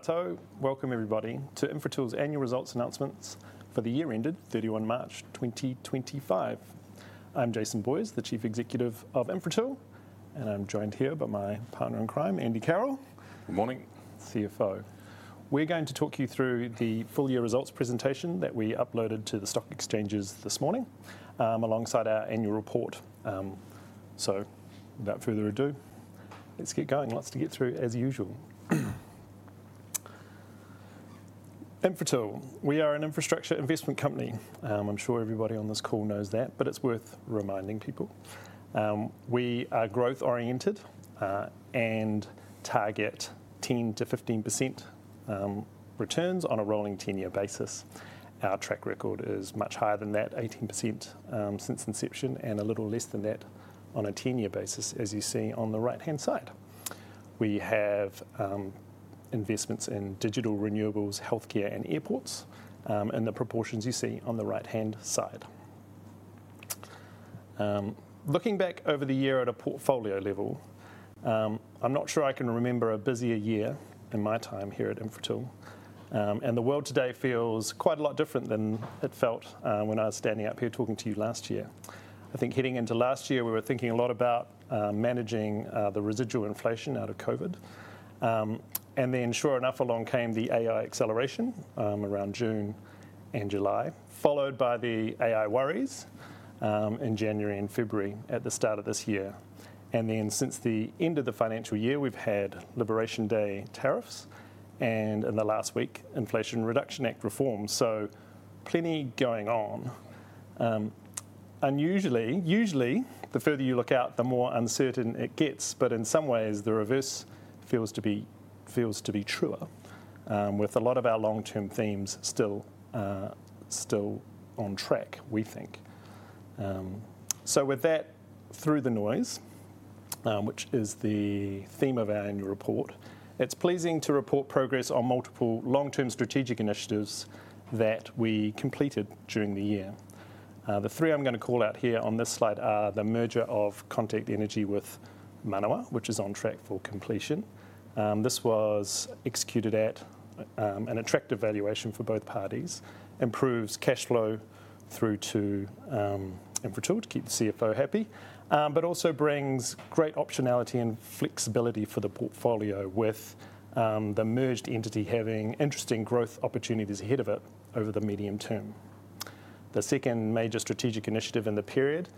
So, welcome everybody to Infratil's Annual Results Announcements for the year ended 31 March 2025. I'm Jason Boyes, the Chief Executive of Infratil, and I'm joined here by my partner in crime, Andy Carroll. Good morning. CFO. We're going to talk you through the full year results presentation that we uploaded to the stock exchanges this morning, alongside our annual report. So without further ado, let's get going. Lots to get through, as usual. Infratil, we are an infrastructure investment company. I'm sure everybody on this call knows that, but it's worth reminding people. We are growth oriented and target 10-15% returns on a rolling 10-year basis. Our track record is much higher than that, 18% since inception, and a little less than that on a 10-year basis, as you see on the right-hand side. We have investments in digital, renewables, healthcare, and airports in the proportions you see on the right-hand side. Looking back over the year at a portfolio level, I'm not sure I can remember a busier year in my time here at Infratil, and the world today feels quite a lot different than it felt when I was standing up here talking to you last year. I think heading into last year, we were thinking a lot about managing the residual inflation out of COVID. Then, sure enough, along came the AI acceleration around June and July, followed by the AI worries in January and February at the start of this year. Since the end of the financial year, we've had Liberation Day tariffs and, in the last week, Inflation Reduction Act reforms. Plenty going on. Usually, the further you look out, the more uncertain it gets, but in some ways, the reverse feels to be truer, with a lot of our long-term themes still on track, we think. With that, through the noise, which is the theme of our annual report, it is pleasing to report progress on multiple long-term strategic initiatives that we completed during the year. The three I am going to call out here on this slide are the merger of Contact Energy with Manawa Energy, which is on track for completion. This was executed at an attractive valuation for both parties, improves cash flow through to Infratil to keep the CFO happy, but also brings great optionality and flexibility for the portfolio, with the merged entity having interesting growth opportunities ahead of it over the medium term. The second major strategic initiative in the period was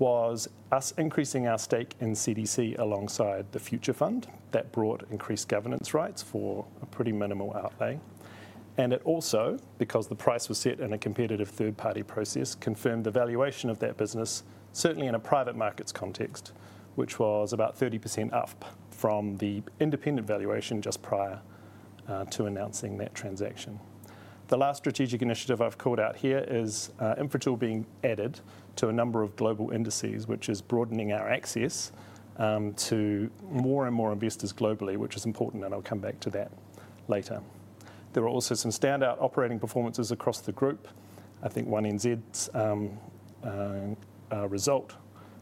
us increasing our stake in CDC alongside the Future Fund. That brought increased governance rights for a pretty minimal outlay. It also, because the price was set in a competitive third-party process, confirmed the valuation of that business, certainly in a private markets context, which was about 30% up from the independent valuation just prior to announcing that transaction. The last strategic initiative I've called out here is Infratil being added to a number of global indices, which is broadening our access to more and more investors globally, which is important, and I'll come back to that later. There were also some standout operating performances across the group. I think 1NZ's result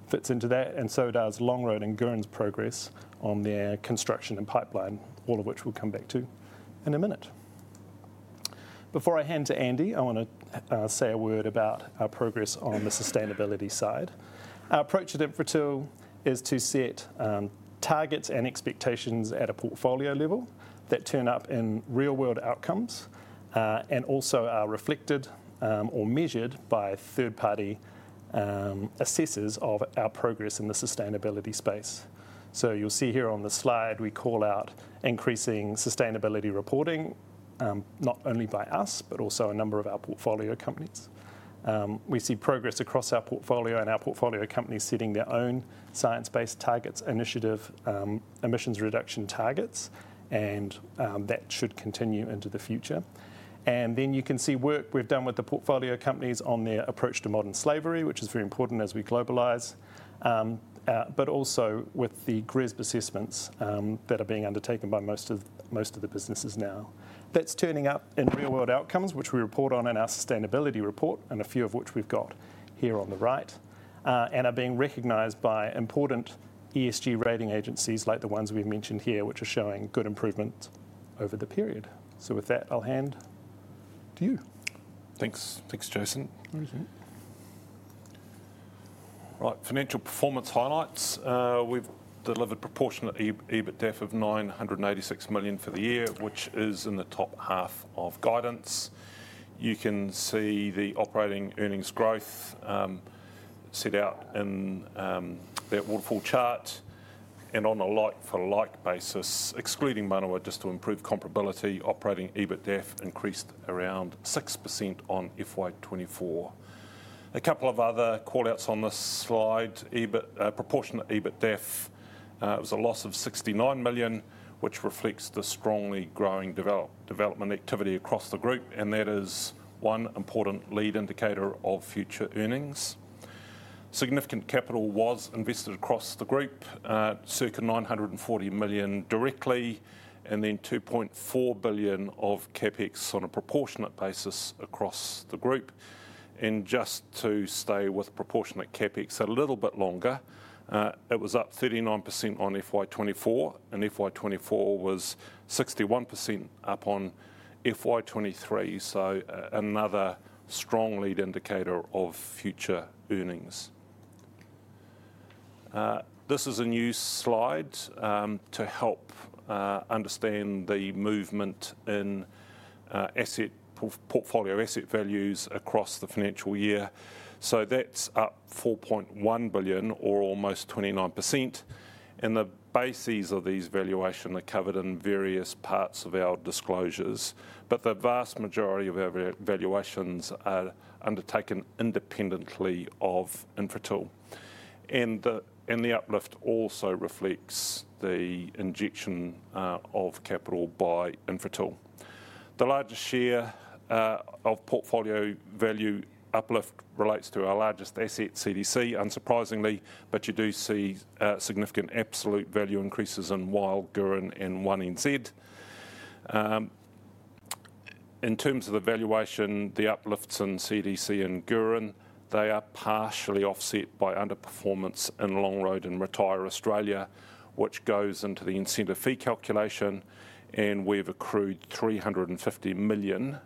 fits into that, and so does Longroad and Gurin's progress on their construction and pipeline, all of which we'll come back to in a minute. Before I hand to Andy, I want to say a word about our progress on the sustainability side. Our approach at Infratil is to set targets and expectations at a portfolio level that turn up in real-world outcomes and also are reflected or measured by third-party assessors of our progress in the sustainability space. You will see here on the slide we call out increasing sustainability reporting, not only by us, but also a number of our portfolio companies. We see progress across our portfolio and our portfolio companies setting their own science-based targets, initiative emissions reduction targets, and that should continue into the future. You can see work we have done with the portfolio companies on their approach to modern slavery, which is very important as we globalize, but also with the GRESB assessments that are being undertaken by most of the businesses now. That's turning up in real-world outcomes, which we report on in our sustainability report, and a few of which we've got here on the right, and are being recognized by important ESG rating agencies like the ones we've mentioned here, which are showing good improvement over the period. With that, I'll hand to you. Thanks, Jason. Financial performance highlights. We've delivered proportionate EBITDA of 986 million for the year, which is in the top half of guidance. You can see the operating earnings growth set out in that waterfall chart. On a like-for-like basis, excluding Manawa, just to improve comparability, operating EBITDA increased around 6% on FY2024. A couple of other callouts on this slide. Proportionate EBITDA was a loss of 69 million, which reflects the strongly growing development activity across the group, and that is one important lead indicator of future earnings. Significant capital was invested across the group, circa 940 million directly, and then 2.4 billion of CapEx on a proportionate basis across the group. Just to stay with proportionate CapEx a little bit longer, it was up 39% on FY2024, and FY2024 was 61% up on FY2023, so another strong lead indicator of future earnings. This is a new slide to help understand the movement in portfolio asset values across the financial year. That is up 4.1 billion, or almost 29%. The bases of these valuations are covered in various parts of our disclosures, but the vast majority of our valuations are undertaken independently of Infratil. The uplift also reflects the injection of capital by Infratil. The largest share of portfolio value uplift relates to our largest asset, CDC, unsurprisingly, but you do see significant absolute value increases in Weil, Gurin, and 1NZ. In terms of the valuation, the uplifts in CDC and Gurin, they are partially offset by underperformance in Longroad and Retire Australia, which goes into the incentive fee calculation, and we have accrued 350 million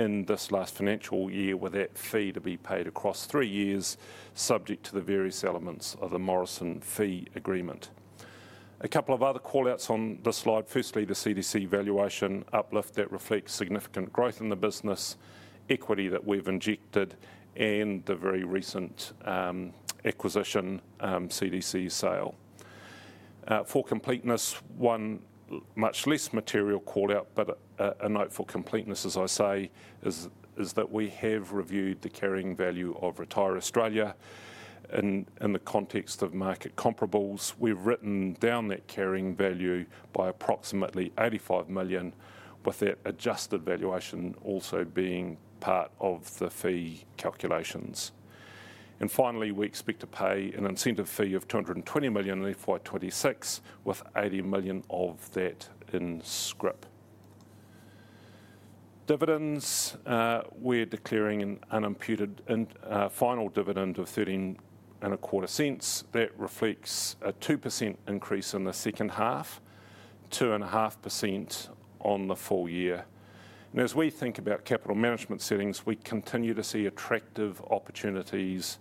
in this last financial year with that fee to be paid across three years, subject to the various elements of the Morrison fee agreement. A couple of other callouts on this slide. Firstly, the CDC valuation uplift that reflects significant growth in the business, equity that we've injected, and the very recent acquisition, CDC sale. For completeness, one much less material callout, but a note for completeness, as I say, is that we have reviewed the carrying value of Retire Australia in the context of market comparables. We've written down that carrying value by approximately 85 million, with that adjusted valuation also being part of the fee calculations. Finally, we expect to pay an incentive fee of 220 million in FY2026, with 80 million of that in scrip. Dividends, we're declaring an unimputed final dividend of 0.1325. That reflects a 2% increase in the second half, 2.5% on the full year. As we think about capital management settings, we continue to see attractive opportunities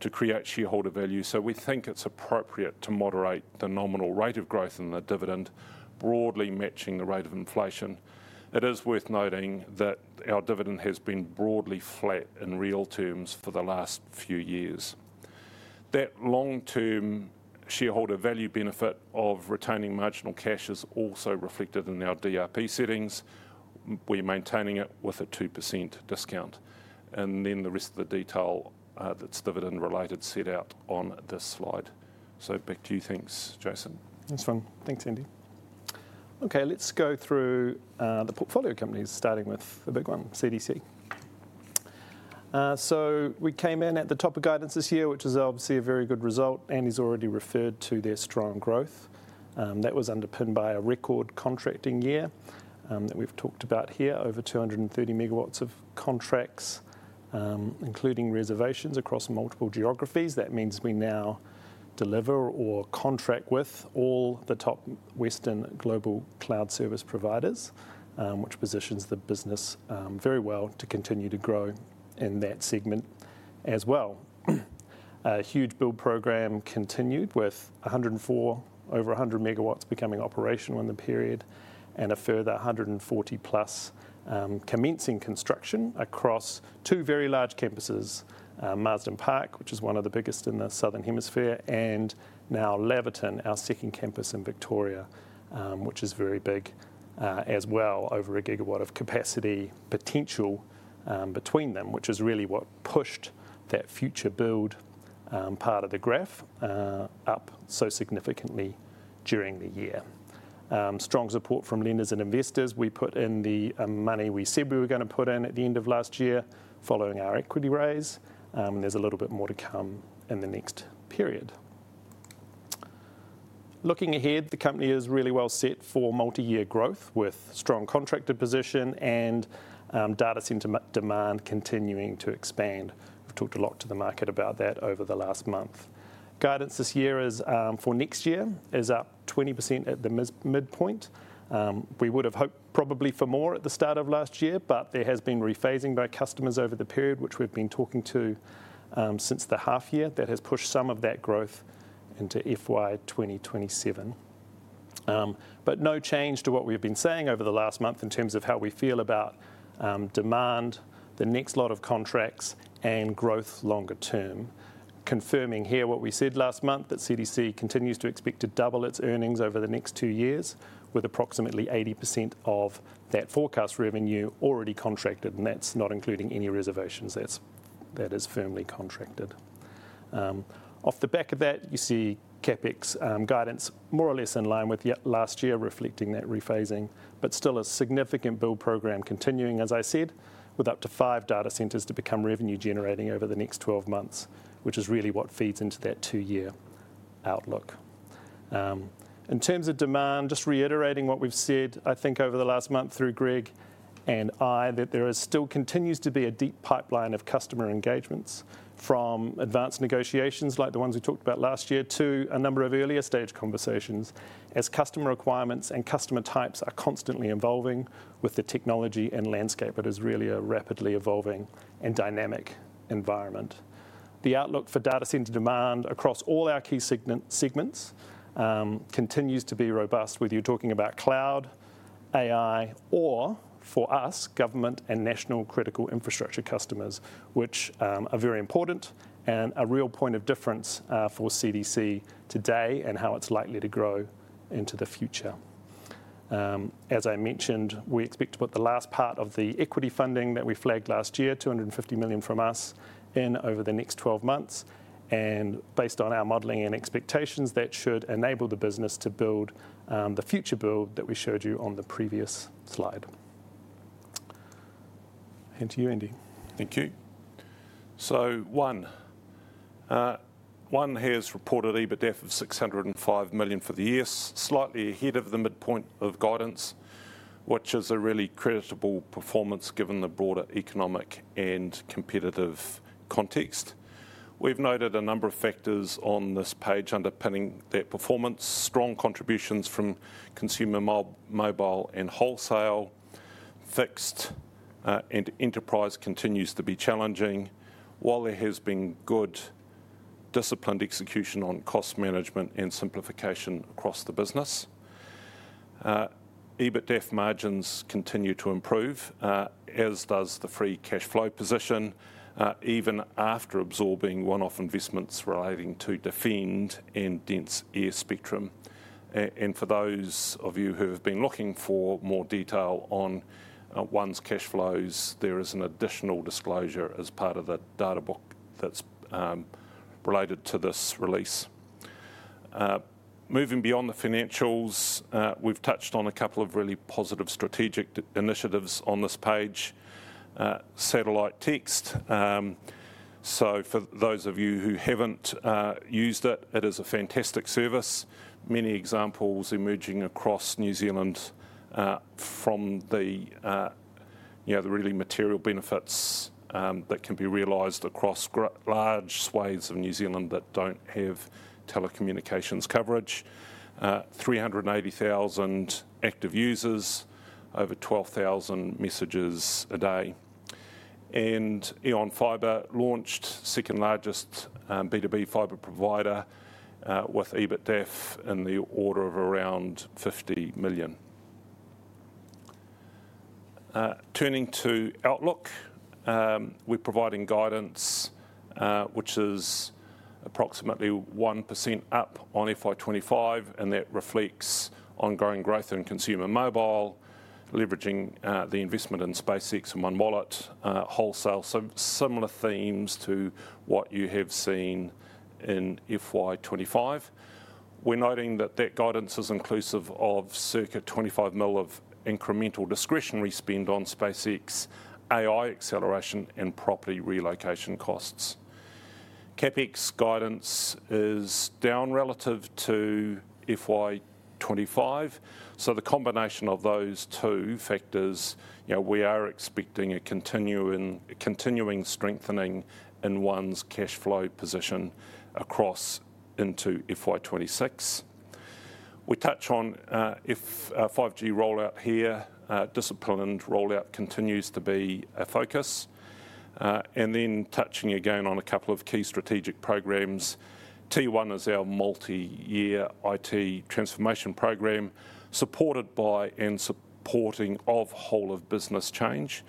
to create shareholder value, so we think it's appropriate to moderate the nominal rate of growth in the dividend, broadly matching the rate of inflation. It is worth noting that our dividend has been broadly flat in real terms for the last few years. That long-term shareholder value benefit of retaining marginal cash is also reflected in our DRP settings. We're maintaining it with a 2% discount. The rest of the detail that's dividend-related is set out on this slide. Back to you, thanks, Jason. Thanks, Fung. Thanks, Andy. Okay, let's go through the portfolio companies, starting with the big one, CDC. We came in at the top of guidance this year, which is obviously a very good result. Andy's already referred to their strong growth. That was underpinned by a record contracting year that we've talked about here, over 230 MW of contracts, including reservations across multiple geographies. That means we now deliver or contract with all the top Western global cloud service providers, which positions the business very well to continue to grow in that segment as well. A huge build program continued with over 100 MW becoming operational in the period and a further 140-plus commencing construction across two very large campuses, Marsden Park, which is one of the biggest in the Southern Hemisphere, and now Laverton, our second campus in Victoria, which is very big as well, over a gigawatt of capacity potential between them, which is really what pushed that future build part of the graph up so significantly during the year. Strong support from lenders and investors. We put in the money we said we were going to put in at the end of last year following our equity raise. There's a little bit more to come in the next period. Looking ahead, the company is really well set for multi-year growth with strong contractor position and data center demand continuing to expand. We've talked a lot to the market about that over the last month. Guidance this year for next year is up 20% at the midpoint. We would have hoped probably for more at the start of last year, but there has been rephasing by customers over the period, which we've been talking to since the half year. That has pushed some of that growth into FY2027. No change to what we've been saying over the last month in terms of how we feel about demand, the next lot of contracts, and growth longer term. Confirming here what we said last month, that CDC continues to expect to double its earnings over the next two years, with approximately 80% of that forecast revenue already contracted, and that's not including any reservations. That is firmly contracted. Off the back of that, you see CapEx guidance more or less in line with last year, reflecting that rephasing, but still a significant build program continuing, as I said, with up to five data centers to become revenue-generating over the next 12 months, which is really what feeds into that two-year outlook. In terms of demand, just reiterating what we've said, I think over the last month through Greg and I, that there still continues to be a deep pipeline of customer engagements from advanced negotiations like the ones we talked about last year to a number of earlier stage conversations as customer requirements and customer types are constantly evolving with the technology and landscape. It is really a rapidly evolving and dynamic environment. The outlook for data center demand across all our key segments continues to be robust, whether you're talking about cloud, AI, or for us, government and national critical infrastructure customers, which are very important and a real point of difference for CDC today and how it's likely to grow into the future. As I mentioned, we expect to put the last part of the equity funding that we flagged last year, 250 million from us, in over the next 12 months. Based on our modeling and expectations, that should enable the business to build the future build that we showed you on the previous slide. Hand to you, Andy. Thank you. 1NZ has reported EBITDA of 605 million for the year, slightly ahead of the midpoint of guidance, which is a really creditable performance given the broader economic and competitive context. have noted a number of factors on this page underpinning that performance. Strong contributions from consumer mobile and wholesale, fixed and enterprise continues to be challenging, while there has been good disciplined execution on cost management and simplification across the business. EBITDA margins continue to improve, as does the free cash flow position, even after absorbing one-off investments relating to defend and Dense Air spectrum. For those of you who have been looking for more detail on One NZ's cash flows, there is an additional disclosure as part of the data book that is related to this release. Moving beyond the financials, we have touched on a couple of really positive strategic initiatives on this page. Satellite TXT. For those of you who have not used it, it is a fantastic service. Many examples emerging across New Zealand from the really material benefits that can be realized across large swathes of New Zealand that do not have telecommunications coverage. 380,000 active users, over 12,000 messages a day. Eon Fiber launched, second largest B2B fiber provider with EBITDA in the order of around 50 million. Turning to outlook, we are providing guidance, which is approximately 1% up on FY2025, and that reflects ongoing growth in consumer mobile, leveraging the investment in SpaceX and OneWallet, wholesale, so similar themes to what you have seen in FY2025. We are noting that that guidance is inclusive of circa 25 million of incremental discretionary spend on SpaceX, AI acceleration, and property relocation costs. CapEx guidance is down relative to FY2025, so the combination of those two factors, we are expecting a continuing strengthening in one's cash flow position across into FY2026. We touch on 5G rollout here. Discipline and rollout continues to be a focus. Touching again on a couple of key strategic programs. T1 is our multi-year IT transformation program supported by and supporting of whole of business change.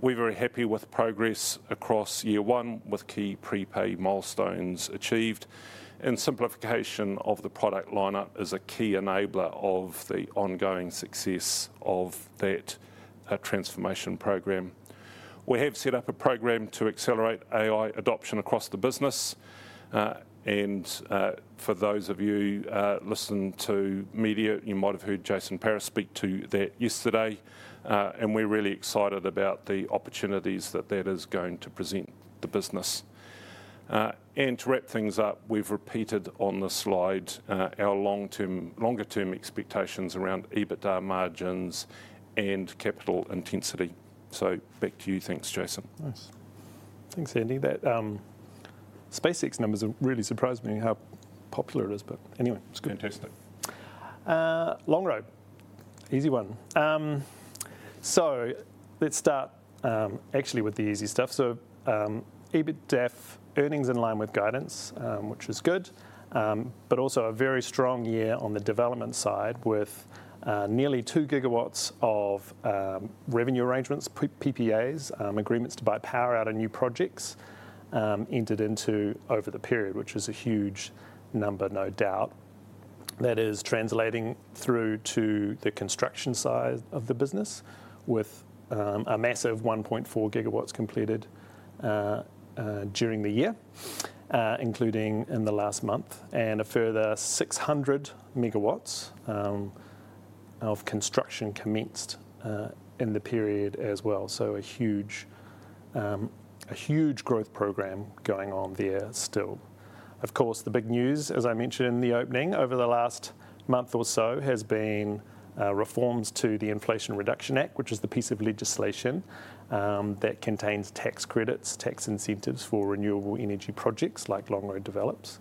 We are very happy with progress across year one with key prepay milestones achieved. Simplification of the product lineup is a key enabler of the ongoing success of that transformation program. We have set up a program to accelerate AI adoption across the business. For those of you listening to media, you might have heard Jason Paris speak to that yesterday, and we are really excited about the opportunities that that is going to present the business. To wrap things up, we have repeated on this slide our longer-term expectations around EBITDA margins and capital intensity. Back to you. Thanks, Jason. Nice. Thanks, Andy. SpaceX numbers have really surprised me how popular it is, but anyway, it's good. Fantastic. Longroad, easy one. Let's start actually with the easy stuff. EBITDA earnings in line with guidance, which is good, but also a very strong year on the development side with nearly 2 GW of revenue arrangements, PPAs, agreements to buy power out of new projects entered into over the period, which is a huge number, no doubt. That is translating through to the construction side of the business with a massive 1.4 GW completed during the year, including in the last month, and a further 600 MW of construction commenced in the period as well. A huge growth program going on there still. Of course, the big news, as I mentioned in the opening over the last month or so, has been reforms to the Inflation Reduction Act, which is the piece of legislation that contains tax credits, tax incentives for renewable energy projects like Longroad develops,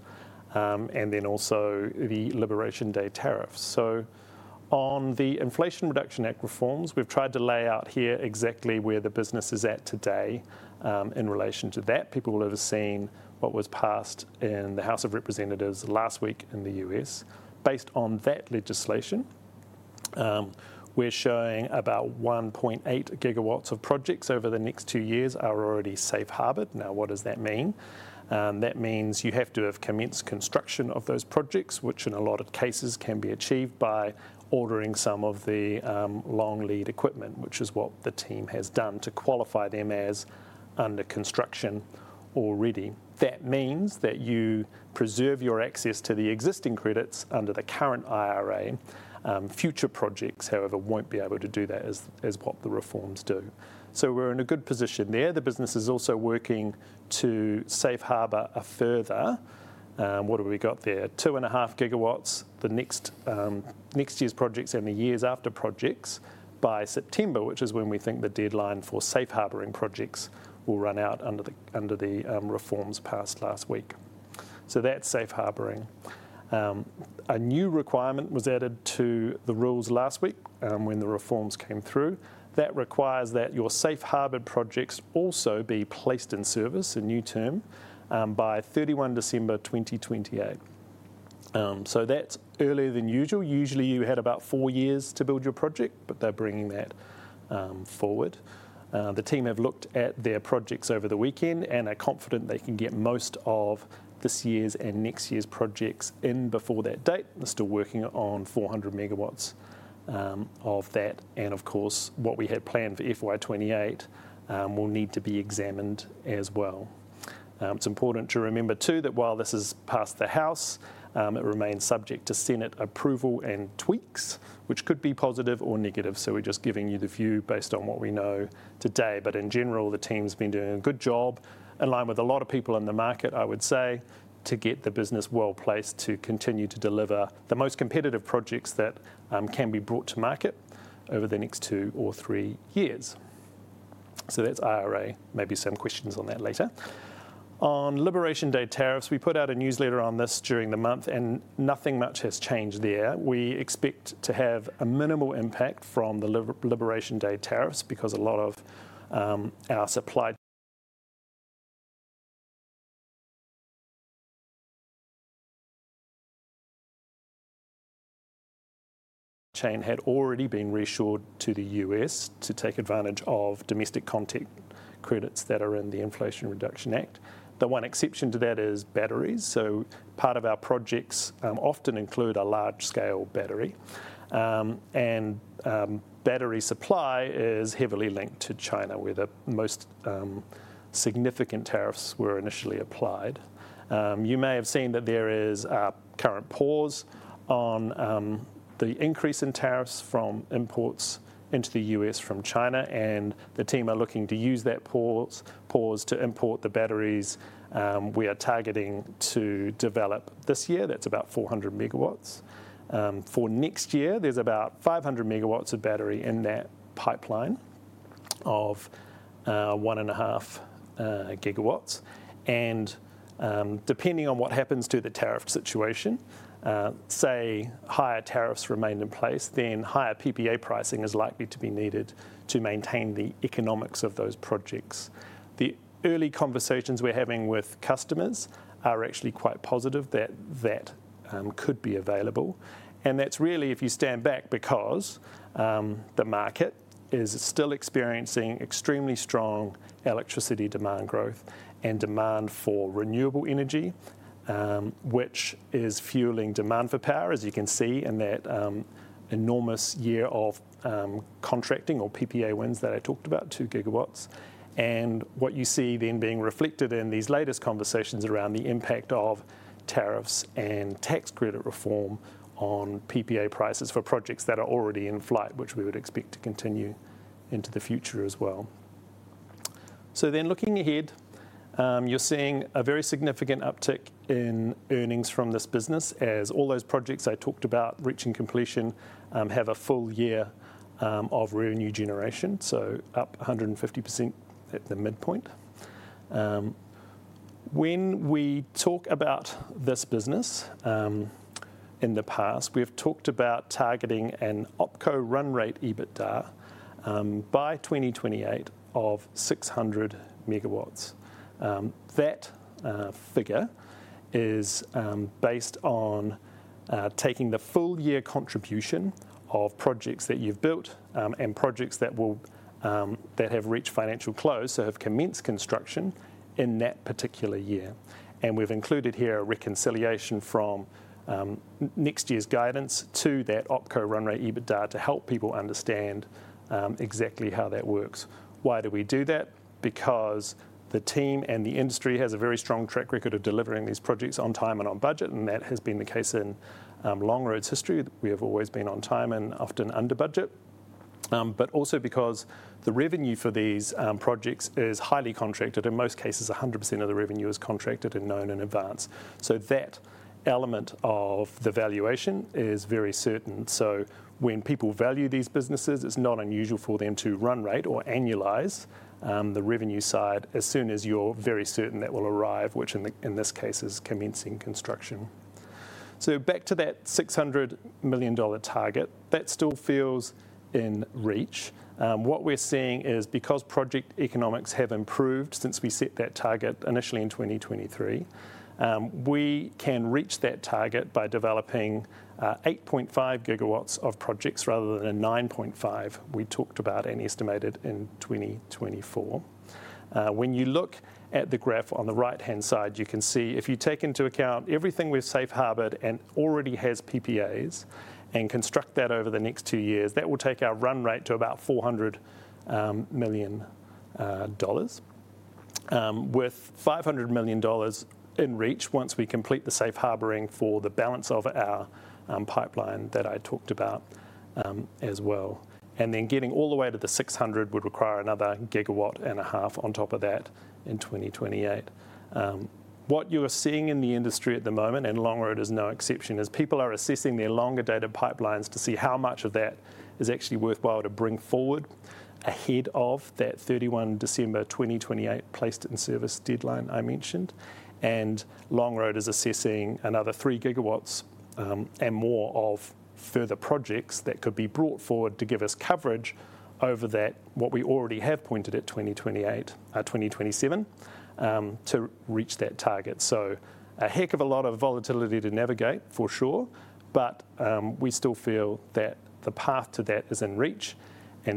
and then also the Liberation Day tariffs. On the Inflation Reduction Act reforms, we've tried to lay out here exactly where the business is at today in relation to that. People will have seen what was passed in the House of Representatives last week in the U.S. Based on that legislation, we're showing about 1.8 GW of projects over the next two years are already safe harbored. Now, what does that mean? That means you have to have commenced construction of those projects, which in a lot of cases can be achieved by ordering some of the long lead equipment, which is what the team has done to qualify them as under construction already. That means that you preserve your access to the existing credits under the current IRA. Future projects, however, will not be able to do that is what the reforms do. We are in a good position there. The business is also working to safe harbor a further, what have we got there? 2.5 GW, the next year's projects and the years after projects by September, which is when we think the deadline for safe harboring projects will run out under the reforms passed last week. That is safe harboring. A new requirement was added to the rules last week when the reforms came through. That requires that your safe harbored projects also be placed in service, a new term, by 31 December 2028. That is earlier than usual. Usually, you had about four years to build your project, but they are bringing that forward. The team have looked at their projects over the weekend and are confident they can get most of this year's and next year's projects in before that date. They are still working on 400 MW of that. Of course, what we had planned for FY2028 will need to be examined as well. It is important to remember too that while this has passed the House, it remains subject to Senate approval and tweaks, which could be positive or negative. We are just giving you the view based on what we know today. In general, the team's been doing a good job in line with a lot of people in the market, I would say, to get the business well placed to continue to deliver the most competitive projects that can be brought to market over the next two or three years. That's IRA. Maybe some questions on that later. On Liberation Day tariffs, we put out a newsletter on this during the month and nothing much has changed there. We expect to have a minimal impact from the Liberation Day tariffs because a lot of our supply chain had already been reshored to the U.S. to take advantage of domestic content credits that are in the Inflation Reduction Act. The one exception to that is batteries. Part of our projects often include a large-scale battery. Battery supply is heavily linked to China where the most significant tariffs were initially applied. You may have seen that there is a current pause on the increase in tariffs from imports into the U.S. from China, and the team are looking to use that pause to import the batteries we are targeting to develop this year. That is about 400 MW. For next year, there is about 500 MW of battery in that pipeline of 1.5 GW. Depending on what happens to the tariff situation, if higher tariffs remain in place, then higher PPA pricing is likely to be needed to maintain the economics of those projects. The early conversations we are having with customers are actually quite positive that that could be available. If you stand back, the market is still experiencing extremely strong electricity demand growth and demand for renewable energy, which is fueling demand for power, as you can see in that enormous year of contracting or PPA wins that I talked about, 2 GW. What you see then being reflected in these latest conversations is the impact of tariffs and tax credit reform on PPA prices for projects that are already in flight, which we would expect to continue into the future as well. Looking ahead, you're seeing a very significant uptick in earnings from this business as all those projects I talked about reaching completion have a full year of revenue generation, so up 150% at the midpoint. When we talk about this business in the past, we have talked about targeting an Opco run rate EBITDA by 2028 of 600 MW. That figure is based on taking the full year contribution of projects that you've built and projects that have reached financial close, so have commenced construction in that particular year. We have included here a reconciliation from next year's guidance to that Opco run rate EBITDA to help people understand exactly how that works. Why do we do that? Because the team and the industry has a very strong track record of delivering these projects on time and on budget, and that has been the case in Longroad's history. We have always been on time and often under budget, but also because the revenue for these projects is highly contracted. In most cases, 100% of the revenue is contracted and known in advance. That element of the valuation is very certain. When people value these businesses, it's not unusual for them to run rate or annualize the revenue side as soon as you're very certain that will arrive, which in this case is commencing construction. Back to that 600 million dollar target, that still feels in reach. What we're seeing is because project economics have improved since we set that target initially in 2023, we can reach that target by developing 8.5 GW of projects rather than 9.5 we talked about and estimated in 2024. When you look at the graph on the right-hand side, you can see if you take into account everything we've safe harbored and already has PPAs and construct that over the next two years, that will take our run rate to about 400 million dollars. With $500 million in reach once we complete the safe harboring for the balance of our pipeline that I talked about as well. Getting all the way to the 600 would require another gigawatt and a half on top of that in 2028. What you are seeing in the industry at the moment, and Longroad is no exception, is people are assessing their longer data pipelines to see how much of that is actually worthwhile to bring forward ahead of that 31 December 2028 placed in service deadline I mentioned. Longroad is assessing another three GW and more of further projects that could be brought forward to give us coverage over that, what we already have pointed at 2028, 2027 to reach that target. A heck of a lot of volatility to navigate for sure, but we still feel that the path to that is in reach.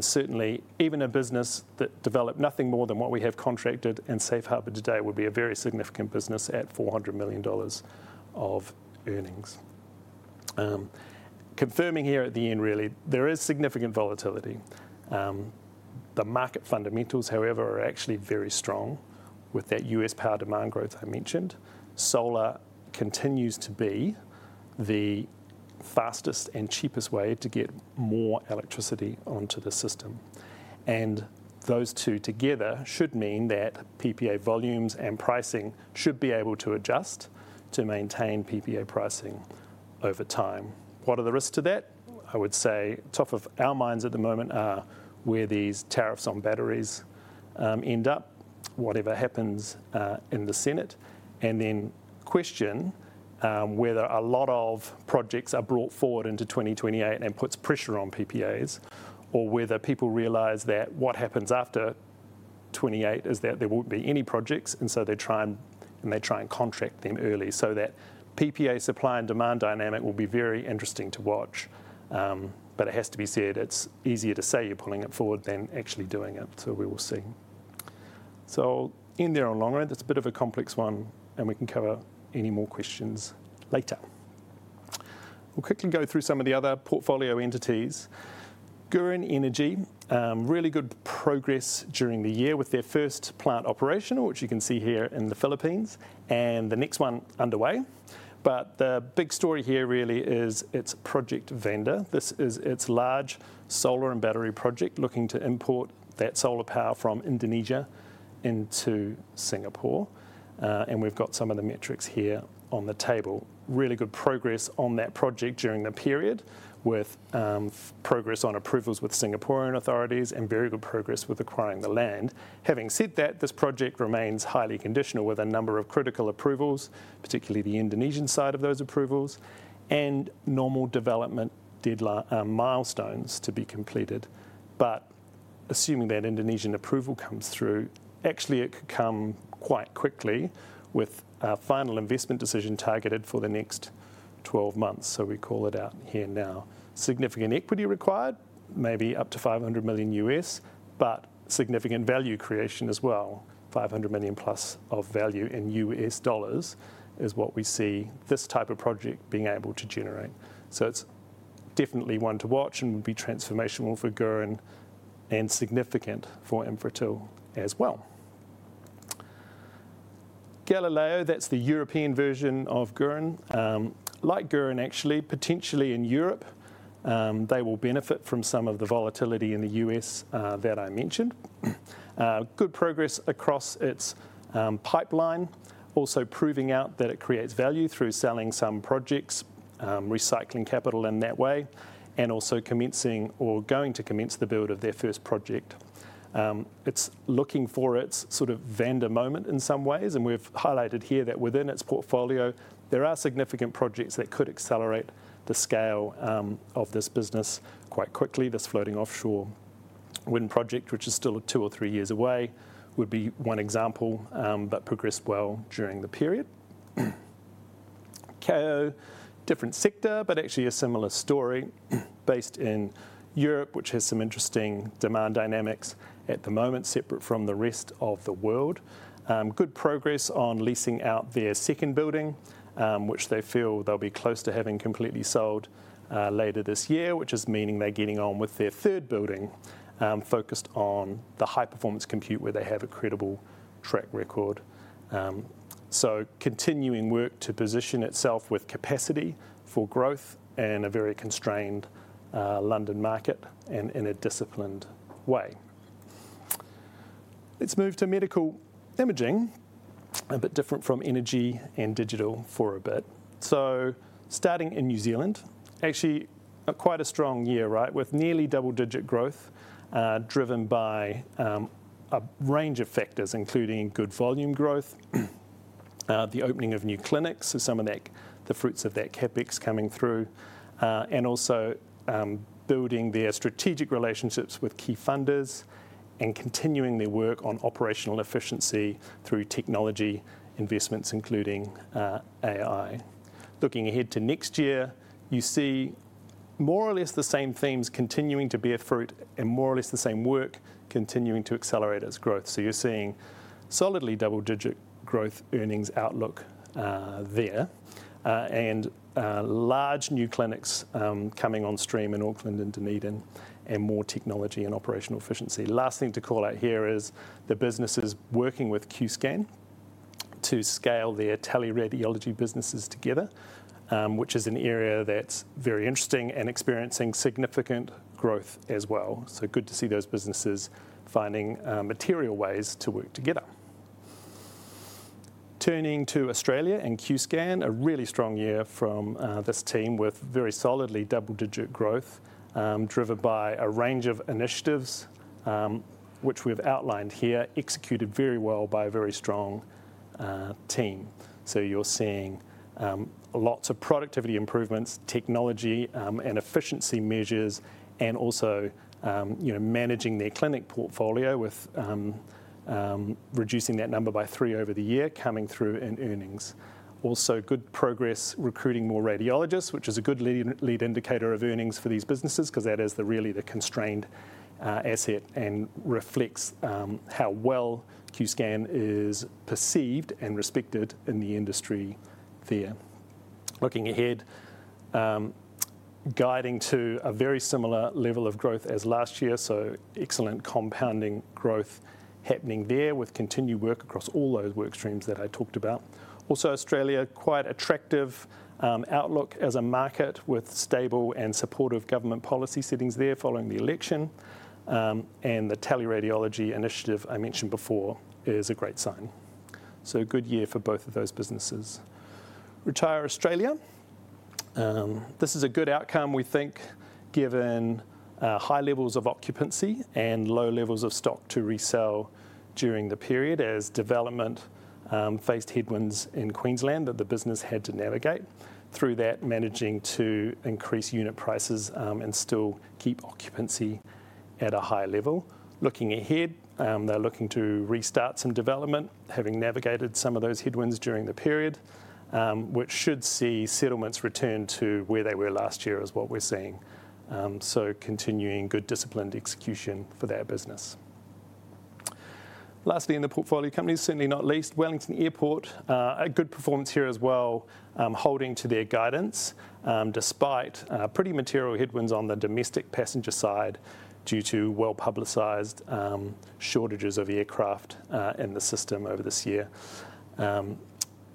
Certainly, even a business that developed nothing more than what we have contracted and safe harbored today would be a very significant business at $400 million of earnings. Confirming here at the end, really, there is significant volatility. The market fundamentals, however, are actually very strong with that U.S. power demand growth I mentioned. Solar continues to be the fastest and cheapest way to get more electricity onto the system. Those two together should mean that PPA volumes and pricing should be able to adjust to maintain PPA pricing over time. What are the risks to that? I would say top of our minds at the moment are where these tariffs on batteries end up, whatever happens in the Senate, and then question whether a lot of projects are brought forward into 2028 and puts pressure on PPAs or whether people realize that what happens after 2028 is that there will not be any projects. They try and contract them early so that PPA supply and demand dynamic will be very interesting to watch. It has to be said, it is easier to say you are pulling it forward than actually doing it. We will see. In there on Longroad, that is a bit of a complex one and we can cover any more questions later. We will quickly go through some of the other portfolio entities. Gurin Energy, really good progress during the year with their first plant operation, which you can see here in the Philippines and the next one underway. The big story here really is its project vendor. This is its large solar and battery project looking to import that solar power from Indonesia into Singapore. We have some of the metrics here on the table. Really good progress on that project during the period with progress on approvals with Singaporean authorities and very good progress with acquiring the land. Having said that, this project remains highly conditional with a number of critical approvals, particularly the Indonesian side of those approvals and normal development milestones to be completed. Assuming that Indonesian approval comes through, actually it could come quite quickly with a final investment decision targeted for the next 12 months. We call it out here now. Significant equity required, maybe up to $500 million, but significant value creation as well. $500 million+ of value in U.S. dollars is what we see this type of project being able to generate. It is definitely one to watch and would be transformational for Gurin and significant for Infratil as well. Galileo, that is the European version of Gurin. Like Gurin, actually potentially in Europe, they will benefit from some of the volatility in the U.S. that I mentioned. Good progress across its pipeline, also proving out that it creates value through selling some projects, recycling capital in that way, and also commencing or going to commence the build of their first project. It is looking for its sort of vendor moment in some ways. We have highlighted here that within its portfolio, there are significant projects that could accelerate the scale of this business quite quickly. This floating offshore wind project, which is still two or three years away, would be one example, but progressed well during the period. Kao Data, different sector, but actually a similar story based in Europe, which has some interesting demand dynamics at the moment separate from the rest of the world. Good progress on leasing out their second building, which they feel they'll be close to having completely sold later this year, which is meaning they're getting on with their third building focused on the high performance compute where they have a credible track record. Continuing work to position itself with capacity for growth in a very constrained London market and in a disciplined way. Let's move to medical imaging, a bit different from energy and digital for a bit. Starting in New Zealand, actually quite a strong year, right? With nearly double digit growth driven by a range of factors, including good volume growth, the opening of new clinics, so some of the fruits of that CapEx coming through, and also building their strategic relationships with key funders and continuing their work on operational efficiency through technology investments, including AI. Looking ahead to next year, you see more or less the same themes continuing to bear fruit and more or less the same work continuing to accelerate its growth. You are seeing solidly double digit growth earnings outlook there. Large new clinics coming on stream in Auckland, Dunedin, and more technology and operational efficiency. The last thing to call out here is the businesses working with Qscan to scale their teleradiology businesses together, which is an area that is very interesting and experiencing significant growth as well. Good to see those businesses finding material ways to work together. Turning to Australia and Qscan, a really strong year from this team with very solidly double-digit growth driven by a range of initiatives, which we've outlined here, executed very well by a very strong team. You are seeing lots of productivity improvements, technology and efficiency measures, and also managing their clinic portfolio with reducing that number by three over the year coming through in earnings. Also good progress recruiting more radiologists, which is a good lead indicator of earnings for these businesses because that is really the constrained asset and reflects how well Qscan is perceived and respected in the industry there. Looking ahead, guiding to a very similar level of growth as last year. Excellent compounding growth happening there with continued work across all those work streams that I talked about. Also, Australia, quite attractive outlook as a market with stable and supportive government policy settings there following the election. The tele radiology initiative I mentioned before is a great sign. Good year for both of those businesses. Retire Australia. This is a good outcome, we think, given high levels of occupancy and low levels of stock to resell during the period as development faced headwinds in Queensland that the business had to navigate through, managing to increase unit prices and still keep occupancy at a high level. Looking ahead, they're looking to restart some development, having navigated some of those headwinds during the period, which should see settlements return to where they were last year is what we're seeing. Continuing good disciplined execution for their business. Lastly, in the portfolio companies, certainly not least, Wellington International Airport, a good performance here as well, holding to their guidance despite pretty material headwinds on the domestic passenger side due to well publicized shortages of aircraft in the system over this year.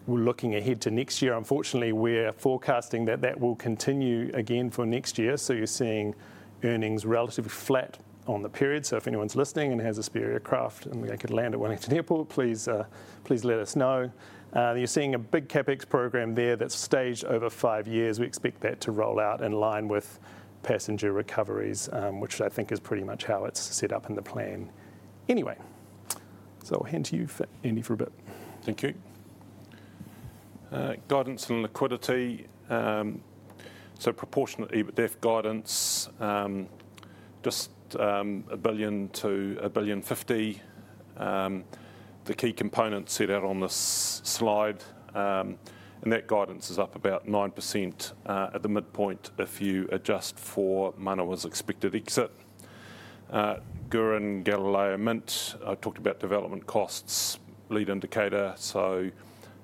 Looking ahead to next year, unfortunately, we're forecasting that that will continue again for next year. You're seeing earnings relatively flat on the period. If anyone's listening and has a spare aircraft and they could land at Wellington International Airport, please let us know. You're seeing a big CapEx program there that's staged over five years. We expect that to roll out in line with passenger recoveries, which I think is pretty much how it's set up in the plan anyway. I'll hand you for Andy for a bit. Thank you. Guidance and liquidity. Proportionate EBITDA guidance, just 1 billion-1.05 billion. The key components set out on this slide. That guidance is up about 9% at the midpoint if you adjust for Manawa's expected exit. Gurin, Galileo, Mint, I talked about development costs, lead indicator.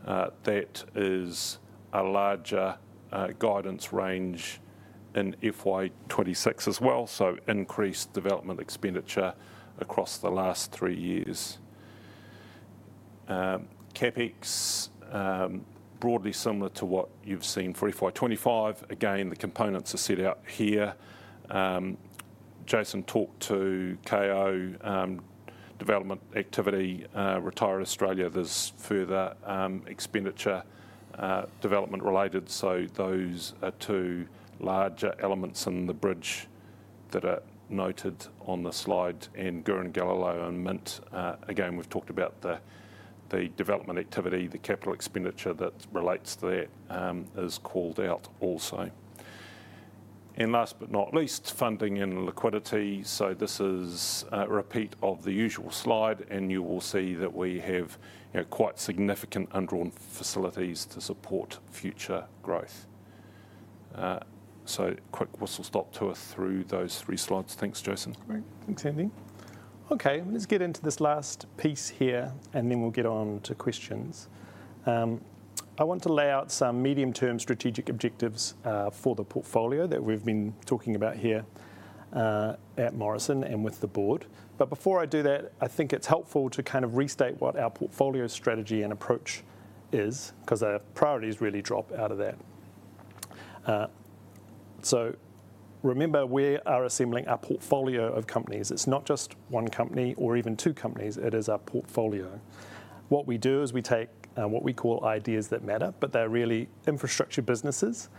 That is a larger guidance range in FY2026 as well. Increased development expenditure across the last three years. CapEx, broadly similar to what you've seen for FY2025. The components are set out here. Jason talked to Kao development activity, Retire Australia. There is further expenditure development related. Those are two larger elements in the bridge that are noted on the slide, and Gurin, Galileo, and Mint. Again, we've talked about the development activity, the capital expenditure that relates to that is called out also. Last but not least, funding and liquidity. This is a repeat of the usual slide and you will see that we have quite significant undrawn facilities to support future growth. Quick whistle stop to us through those three slides. Thanks, Jason. Great. Thanks, Andy. Okay, let's get into this last piece here and then we'll get on to questions. I want to lay out some medium term strategic objectives for the portfolio that we've been talking about here at Morrison and with the board. Before I do that, I think it's helpful to kind of restate what our portfolio strategy and approach is because our priorities really drop out of that. Remember, we are assembling our portfolio of companies. It's not just one company or even two companies. It is our portfolio. What we do is we take what we call ideas that matter, but they're really infrastructure businesses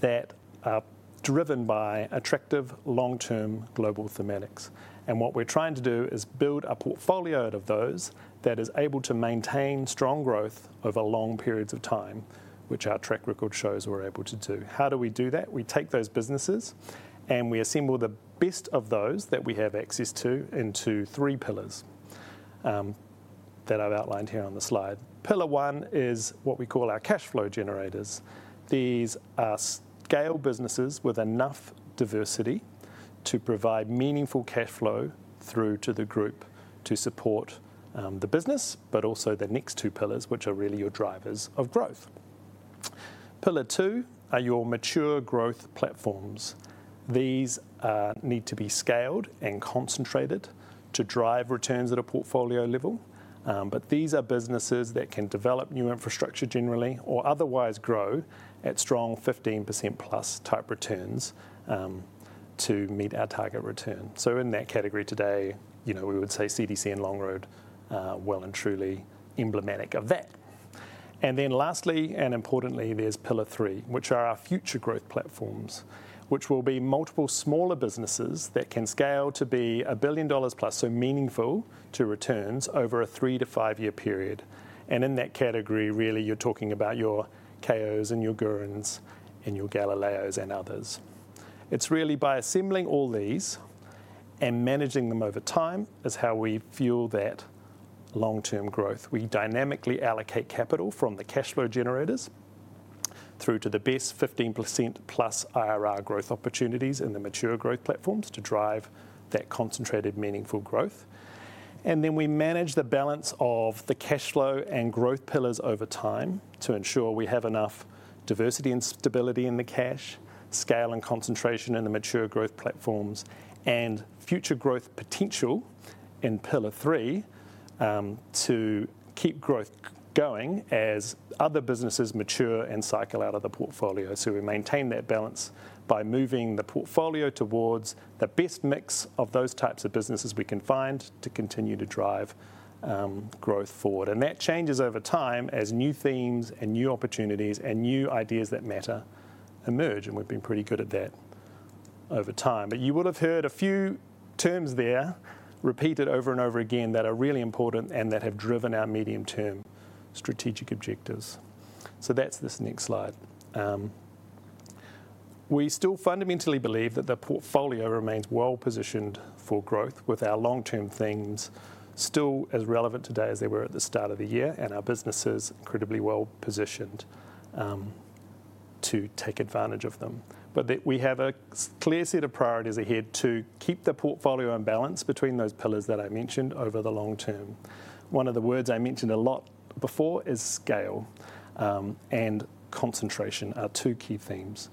that are driven by attractive long term global thematics. What we're trying to do is build a portfolio out of those that is able to maintain strong growth over long periods of time, which our track record shows we're able to do. How do we do that? We take those businesses and we assemble the best of those that we have access to into three pillars that I've outlined here on the slide. Pillar one is what we call our cash flow generators. These are scale businesses with enough diversity to provide meaningful cash flow through to the group to support the business, but also the next two pillars, which are really your drivers of growth. Pillar two are your mature growth platforms. These need to be scaled and concentrated to drive returns at a portfolio level. These are businesses that can develop new infrastructure generally or otherwise grow at strong 15% plus type returns to meet our target return. In that category today, we would say CDC and Longroad well and truly emblematic of that. Lastly, and importantly, there is pillar three, which are our future growth platforms, which will be multiple smaller businesses that can scale to be a billion dollars plus, so meaningful to returns over a three to five year period. In that category, really you are talking about your Kao Data and your Gurin Energy and your Galileo and others. It is really by assembling all these and managing them over time is how we fuel that long term growth. We dynamically allocate capital from the cash flow generators through to the best 15%+ IRR growth opportunities in the mature growth platforms to drive that concentrated meaningful growth. We manage the balance of the cash flow and growth pillars over time to ensure we have enough diversity and stability in the cash scale and concentration in the mature growth platforms and future growth potential in pillar three to keep growth going as other businesses mature and cycle out of the portfolio. We maintain that balance by moving the portfolio towards the best mix of those types of businesses we can find to continue to drive growth forward. That changes over time as new themes and new opportunities and new ideas that matter emerge. We have been pretty good at that over time. You will have heard a few terms there repeated over and over again that are really important and that have driven our medium term strategic objectives. That is this next slide. We still fundamentally believe that the portfolio remains well positioned for growth with our long term things still as relevant today as they were at the start of the year. Our business is incredibly well positioned to take advantage of them. We have a clear set of priorities ahead to keep the portfolio in balance between those pillars that I mentioned over the long term. One of the words I mentioned a lot before is scale and concentration are two key themes.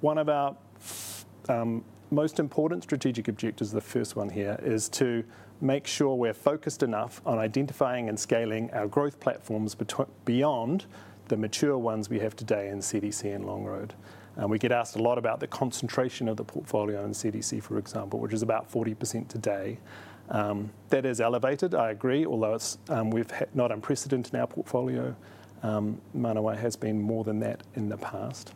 One of our most important strategic objectives, the first one here, is to make sure we're focused enough on identifying and scaling our growth platforms beyond the mature ones we have today in CDC and Longroad. We get asked a lot about the concentration of the portfolio in CDC, for example, which is about 40% today. That is elevated, I agree, although not unprecedented in our portfolio. Manawa has been more than that in the past.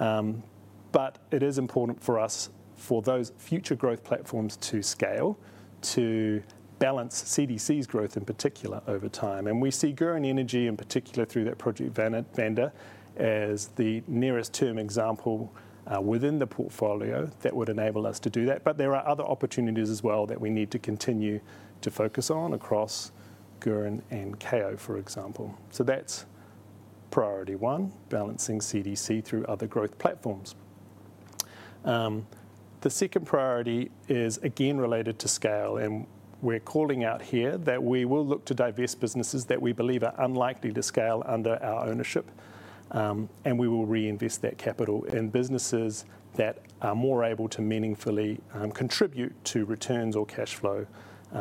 It is important for us for those future growth platforms to scale to balance CDC's growth in particular over time. We see Gurin Energy in particular through that project vendor as the nearest term example within the portfolio that would enable us to do that. There are other opportunities as well that we need to continue to focus on across Gurin and Kao, for example. That's priority one, balancing CDC through other growth platforms. The second priority is again related to scale. We're calling out here that we will look to divest businesses that we believe are unlikely to scale under our ownership. We will reinvest that capital in businesses that are more able to meaningfully contribute to returns or cash flow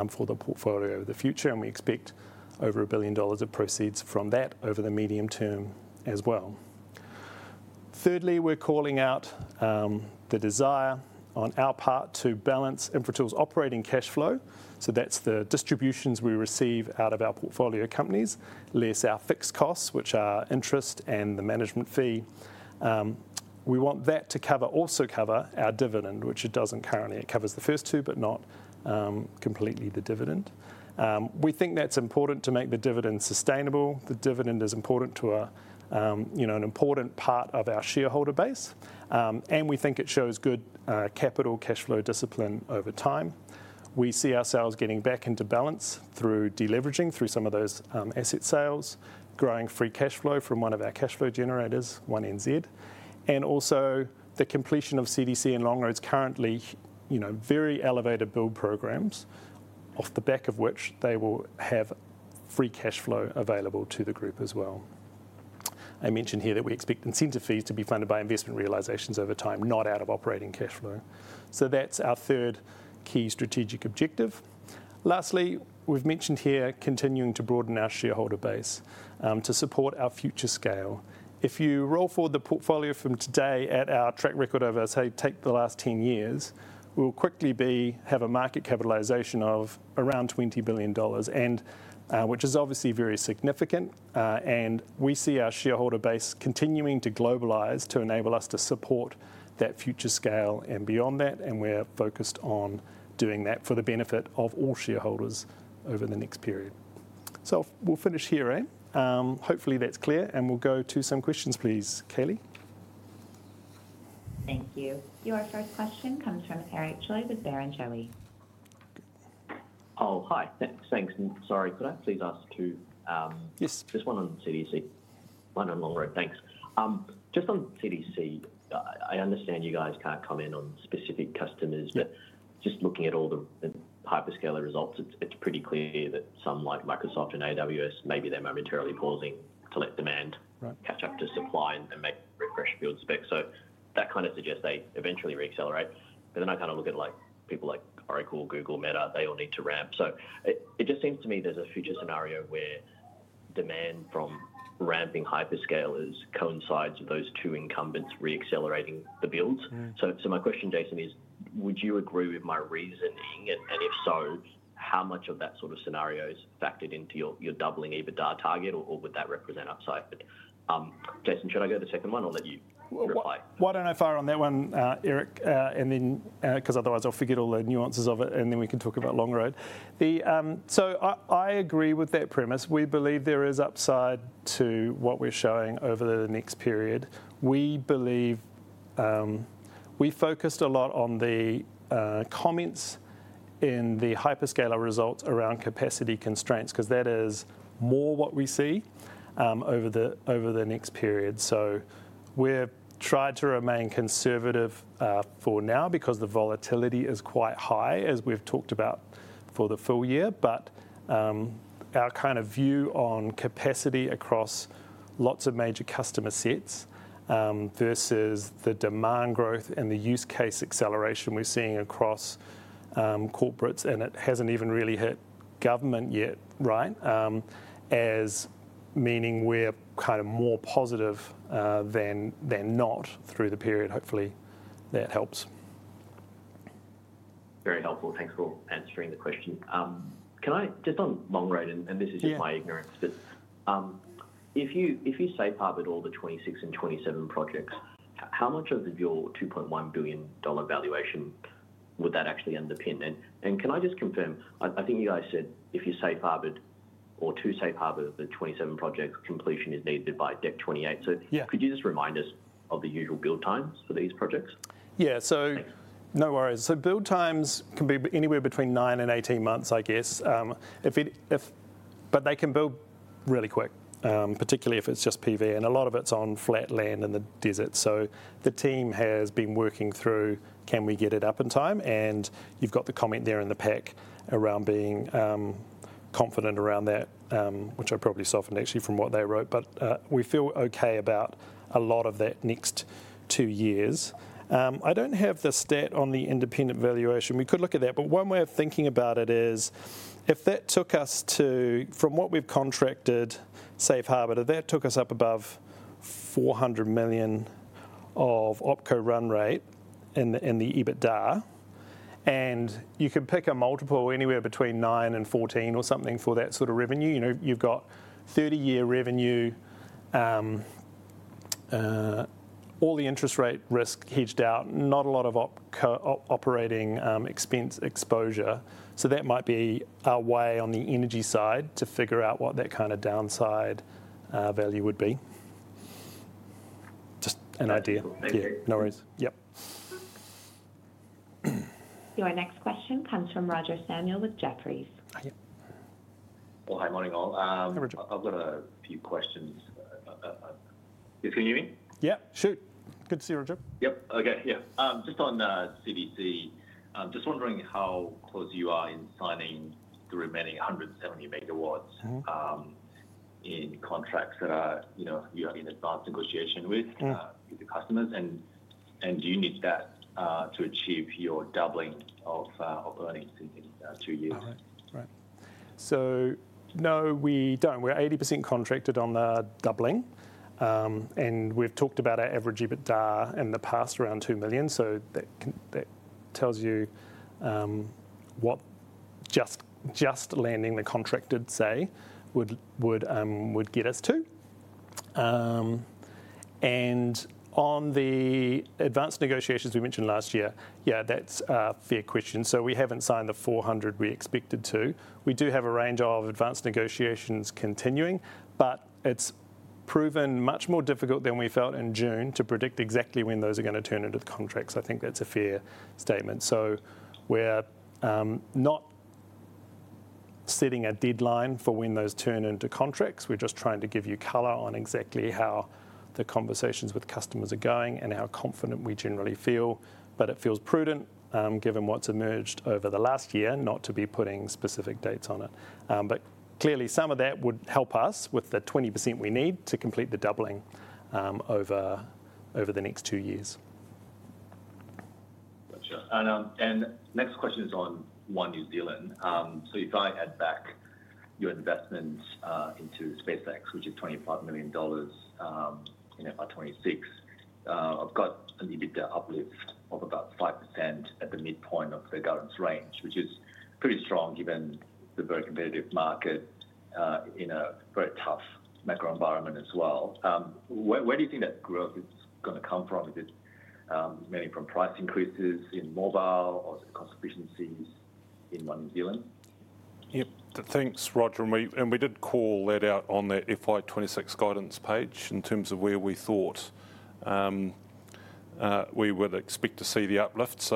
for the portfolio of the future. We expect over 1 billion dollars of proceeds from that over the medium term as well. Thirdly, we're calling out the desire on our part to balance Infratil's operating cash flow. That's the distributions we receive out of our portfolio companies, less our fixed costs, which are interest and the management fee. We want that to also cover our dividend, which it doesn't currently. It covers the first two, but not completely the dividend. We think that's important to make the dividend sustainable. The dividend is important to an important part of our shareholder base. We think it shows good capital cash flow discipline over time. We see ourselves getting back into balance through deleveraging through some of those asset sales, growing free cash flow from one of our cash flow generators, 1NZ. Also the completion of CDC and Longroad's currently very elevated build programs, off the back of which they will have free cash flow available to the group as well. I mentioned here that we expect incentive fees to be funded by investment realizations over time, not out of operating cash flow. That's our third key strategic objective. Lastly, we've mentioned here continuing to broaden our shareholder base to support our future scale. If you roll forward the portfolio from today at our track record over, say, take the last 10 years, we'll quickly have a market capitalization of around $20 billion, which is obviously very significant. We see our shareholder base continuing to globalize to enable us to support that future scale and beyond that. We are focused on doing that for the benefit of all shareholders over the next period. We will finish here. Hopefully that's clear. We will go to some questions, please, Kaylee. Thank you. Your first question comes from Eric Choi with Barrenjoey. Oh, hi. Thanks. Sorry. Could I please ask just one on CDC? One on Longroad. Thanks. Just on CDC, I understand you guys can't comment on specific customers, but just looking at all the hyperscaler results, it's pretty clear that some like Microsoft and AWS, maybe they're momentarily pausing to let demand catch up to supply and make refresh build specs. That kind of suggests they eventually reaccelerate. I kind of look at people like Oracle, Google, Meta, they all need to ramp. It just seems to me there's a future scenario where demand from ramping hyperscalers coincides with those two incumbents reaccelerating the builds. My question, Jason, is, would you agree with my reasoning? If so, how much of that sort of scenario is factored into your doubling EBITDA target, or would that represent upside? Jason, should I go to the second one or let you reply? I will fire on that one, Eric, because otherwise I'll forget all the nuances of it, and then we can talk about Longroad. I agree with that premise. We believe there is upside to what we're showing over the next period. We focused a lot on the comments in the hyperscaler results around capacity constraints, because that is more what we see over the next period. We have tried to remain conservative for now because the volatility is quite high, as we've talked about for the full year. Our kind of view on capacity across lots of major customer sets versus the demand growth and the use case acceleration we're seeing across corporates, and it has not even really hit government yet, right? As meaning we're kind of more positive than not through the period. Hopefully that helps. Very helpful. Thanks for answering the question. Can I just on Longroad, and this is just my ignorance, but if you say, "Farber, all the 2026 and 2027 projects," how much of your 2.1 billion dollar valuation would that actually underpin? Can I just confirm, I think you guys said if you say, "Farber," or to say, "Farber, the 2027 projects completion is needed by December 2028." Could you just remind us of the usual build times for these projects? Yeah, no worries. Build times can be anywhere between 9 and 18 months, I guess. They can build really quick, particularly if it is just PV. A lot of it is on flat land in the desert. The team has been working through, can we get it up in time? You've got the comment there in the pack around being confident around that, which I probably softened actually from what they wrote. We feel okay about a lot of that next two years. I do not have the stat on the independent valuation. We could look at that. One way of thinking about it is if that took us to, from what we have contracted, say, "Farber," if that took us up above 400 million of Opco run rate in the EBITDA, and you can pick a multiple anywhere between 9-14 or something for that sort of revenue, you have 30-year revenue, all the interest rate risk hedged out, not a lot of operating expense exposure. That might be our way on the energy side to figure out what that kind of downside value would be. Just an idea. No worries. Yep. Your next question comes from Roger Samuel with Jefferies. Hi, morning all. I've got a few questions. Yes, can you hear me? Yeah, shoot. Good to see you, Roger. Yep. Okay. Yeah. Just on CDC, just wondering how close you are in signing the remaining 170 MW in contracts that you are in advanced negotiation with the customers. Do you need that to achieve your doubling of earnings in two years? Right. Right. No, we don't. We're 80% contracted on the doubling. We've talked about our average EBITDA in the past around 2 million. That tells you what just landing the contracted, say, would get us to. On the advanced negotiations we mentioned last year, that's a fair question. We haven't signed the 400 we expected to. We do have a range of advanced negotiations continuing, but it's proven much more difficult than we felt in June to predict exactly when those are going to turn into the contracts. I think that's a fair statement. We are not setting a deadline for when those turn into contracts. We are just trying to give you color on exactly how the conversations with customers are going and how confident we generally feel. It feels prudent, given what's emerged over the last year, not to be putting specific dates on it. Clearly, some of that would help us with the 20% we need to complete the doubling over the next two years. Gotcha. The next question is on One NZ. If I add back your investment into SpaceX, which is $25 million by 2026, I have got an EBITDA uplift of about 5% at the midpoint of the governance range, which is pretty strong given the very competitive market in a very tough macro environment as well. Where do you think that growth is going to come from? Is it mainly from price increases in mobile or cost efficiencies in One NZ? Yep. Thanks, Roger. We did call that out on the FY2026 guidance page in terms of where we thought we would expect to see the uplift.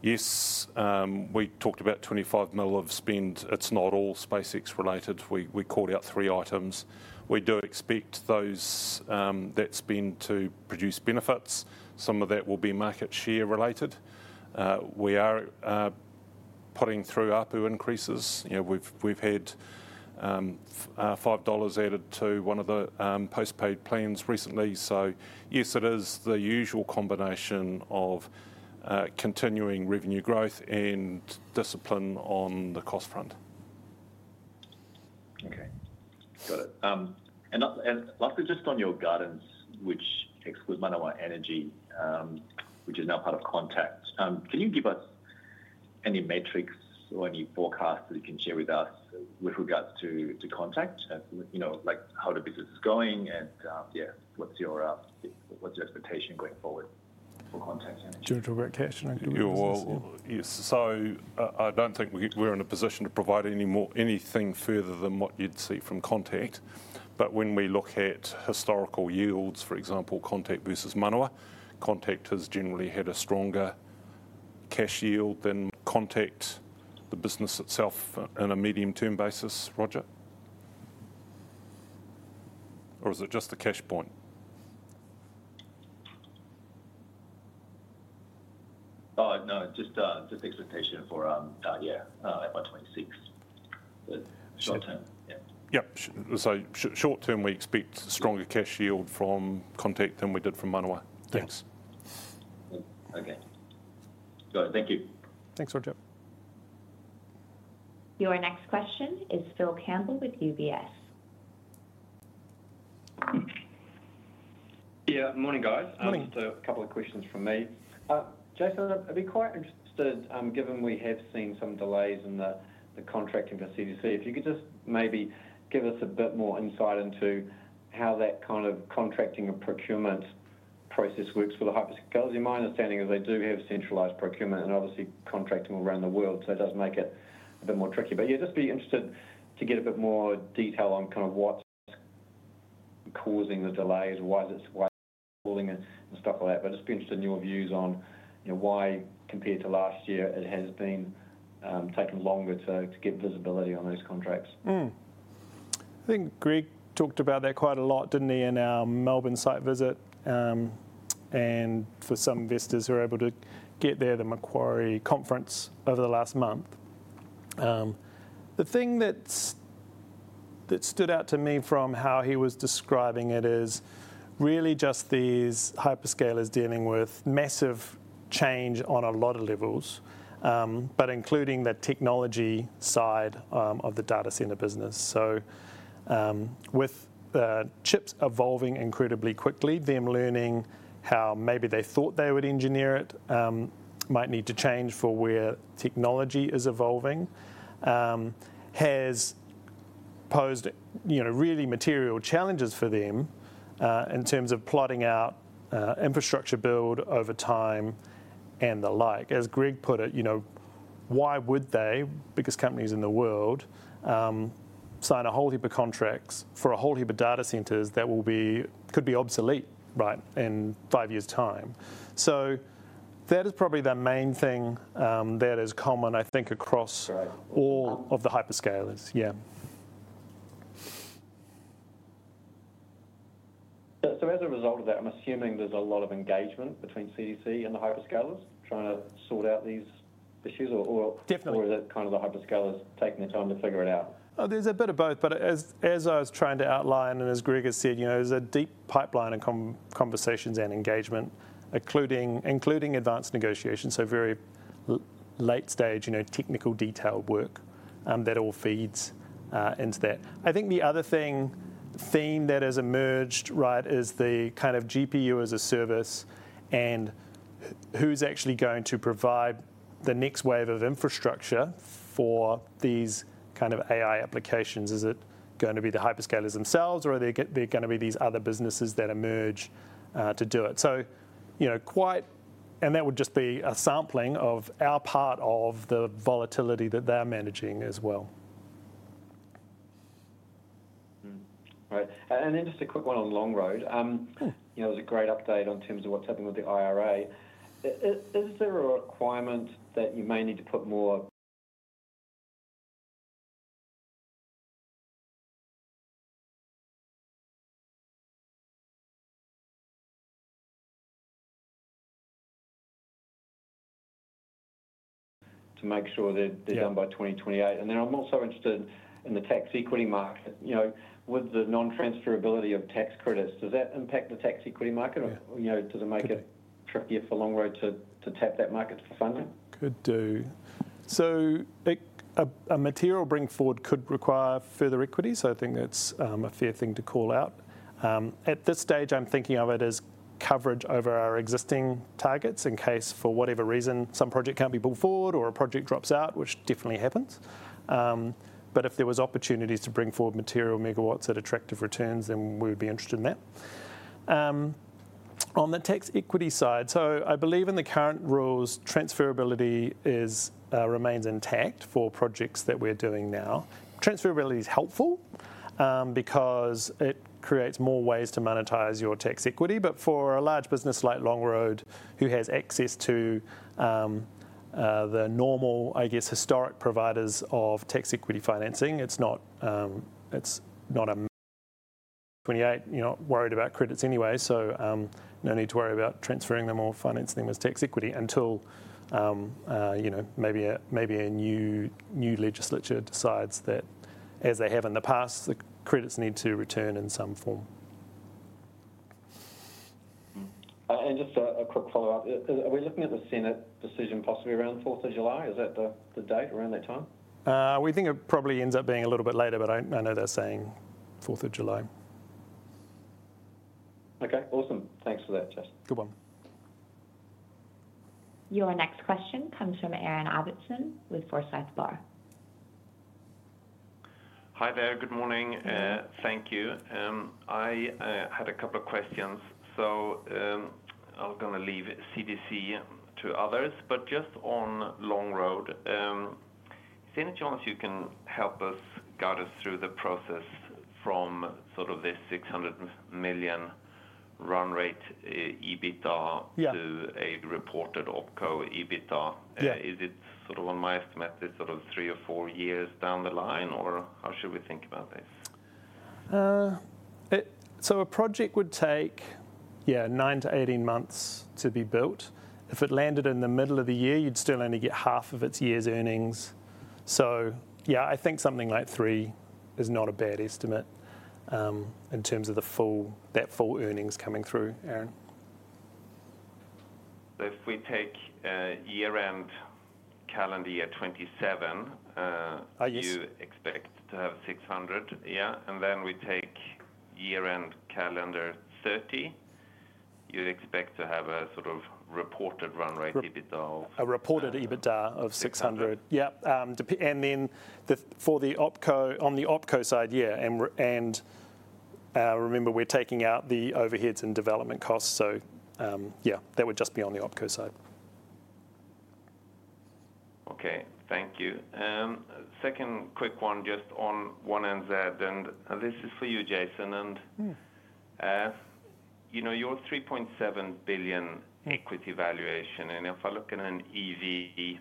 Yes, we talked about $25 million of spend. It is not all SpaceX related. We called out three items. We do expect that spend to produce benefits. Some of that will be market share related. We are putting through upper increases. We've had $5 added to one of the postpaid plans recently. Yes, it is the usual combination of continuing revenue growth and discipline on the cost front. Okay. Got it. Lastly, just on your guidance, which excludes Manawa Energy, which is now part of Contact, can you give us any metrics or any forecasts that you can share with us with regards to Contact, like how the business is going? Yeah, what's your expectation going forward for Contact? General question. I don't think we're in a position to provide anything further than what you'd see from Contact. When we look at historical yields, for example, Contact versus Manawa, Contact has generally had a stronger cash yield than. Contact, the business itself on a medium-term basis, Roger? Or is it just the cash point? Oh, no, just expectation for, yeah, FY2026. Short term. Yep. Short term, we expect stronger cash yield from Contact than we did from Manawa. Thanks. Okay. Got it. Thank you. Thanks, Roger. Your next question is Phil Campbell with UBS. Yeah. Morning, guys. Just a couple of questions from me. Jason, I'd be quite interested, given we have seen some delays in the contracting for CDC, if you could just maybe give us a bit more insight into how that kind of contracting and procurement process works for the hyperscalers. In my understanding, they do have centralized procurement and obviously contracting around the world, so it does make it a bit more tricky. Yeah, just be interested to get a bit more detail on kind of what's causing the delays, why it's holding and stuff like that. would just be interested in your views on why, compared to last year, it has been taking longer to get visibility on those contracts. I think Greg talked about that quite a lot, did he not, in our Melbourne site visit? For some investors who were able to get there, the Macquarie conference over the last month. The thing that stood out to me from how he was describing it is really just these hyperscalers dealing with massive change on a lot of levels, including the technology side of the data center business. With chips evolving incredibly quickly, them learning how maybe they thought they would engineer it might need to change for where technology is evolving has posed really material challenges for them in terms of plotting out infrastructure build over time and the like. As Greg put it, why would the biggest companies in the world sign a whole heap of contracts for a whole heap of data centers that could be obsolete in five years' time? That is probably the main thing that is common, I think, across all of the hyperscalers. Yeah. As a result of that, I'm assuming there's a lot of engagement between CDC and the hyperscalers trying to sort out these issues, or is it kind of the hyperscalers taking their time to figure it out? There's a bit of both. As I was trying to outline, and as Greg has said, there's a deep pipeline of conversations and engagement, including advanced negotiations, so very late-stage technical detailed work that all feeds into that. I think the other theme that has emerged is the kind of GPU as a service and who's actually going to provide the next wave of infrastructure for these kind of AI applications. Is it going to be the hyperscalers themselves, or are there going to be these other businesses that emerge to do it? That would just be a sampling of our part of the volatility that they're managing as well. Right. Then just a quick one on Longroad. There's a great update on terms of what's happening with the IRA. Is there a requirement that you may need to put more to make sure they're done by 2028? I'm also interested in the tax equity market. With the non-transferability of tax credits, does that impact the tax equity market, or does it make it trickier for Longroad to tap that market for funding? Could do. A material bring forward could require further equity. I think that's a fair thing to call out. At this stage, I'm thinking of it as coverage over our existing targets in case for whatever reason some project can't be pulled forward or a project drops out, which definitely happens. If there were opportunities to bring forward material megawatts at attractive returns, then we would be interested in that. On the tax equity side, I believe in the current rules, transferability remains intact for projects that we're doing now. Transferability is helpful because it creates more ways to monetize your tax equity. For a large business like Longroad, who has access to the normal, I guess, historic providers of tax equity financing, it's not a 28. You're not worried about credits anyway, so no need to worry about transferring them or financing them as tax equity until maybe a new legislature decides that, as they have in the past, the credits need to return in some form. Just a quick follow-up. Are we looking at the Senate decision possibly around 4th of July? Is that the date around that time? We think it probably ends up being a little bit later, but I know they're saying 4th of July. Okay. Awesome. Thanks for that, Jess. Good one. Your next question comes from Aaron Ibbotson with Forsyth Barr. Hi there. Good morning. Thank you. I had a couple of questions. I'm going to leave CDC to others. Just on Longroad, is there any chance you can help us guide us through the process from sort of this $600 million run rate EBITDA to a reported Opco EBITDA? Is it, on my estimate, sort of three or four years down the line, or how should we think about this? A project would take, yeah, 9-18 months to be built. If it landed in the middle of the year, you'd still only get half of its year's earnings. I think something like three is not a bad estimate in terms of that full earnings coming through, Aaron. If we take year-end calendar year 2027, you expect to have 600 million, yeah? Then we take year-end calendar 2030, you'd expect to have a sort of reported run rate EBITDA of NZD 600 million. A reported EBITDA of 600 million, yeah. For the Opco side, yeah. Remember, we're taking out the overheads and development costs. That would just be on the Opco side. Okay. Thank you. Second quick one just on One NZ. This is for you, Jason. In your 3.7 billion equity valuation, if I look at an EV,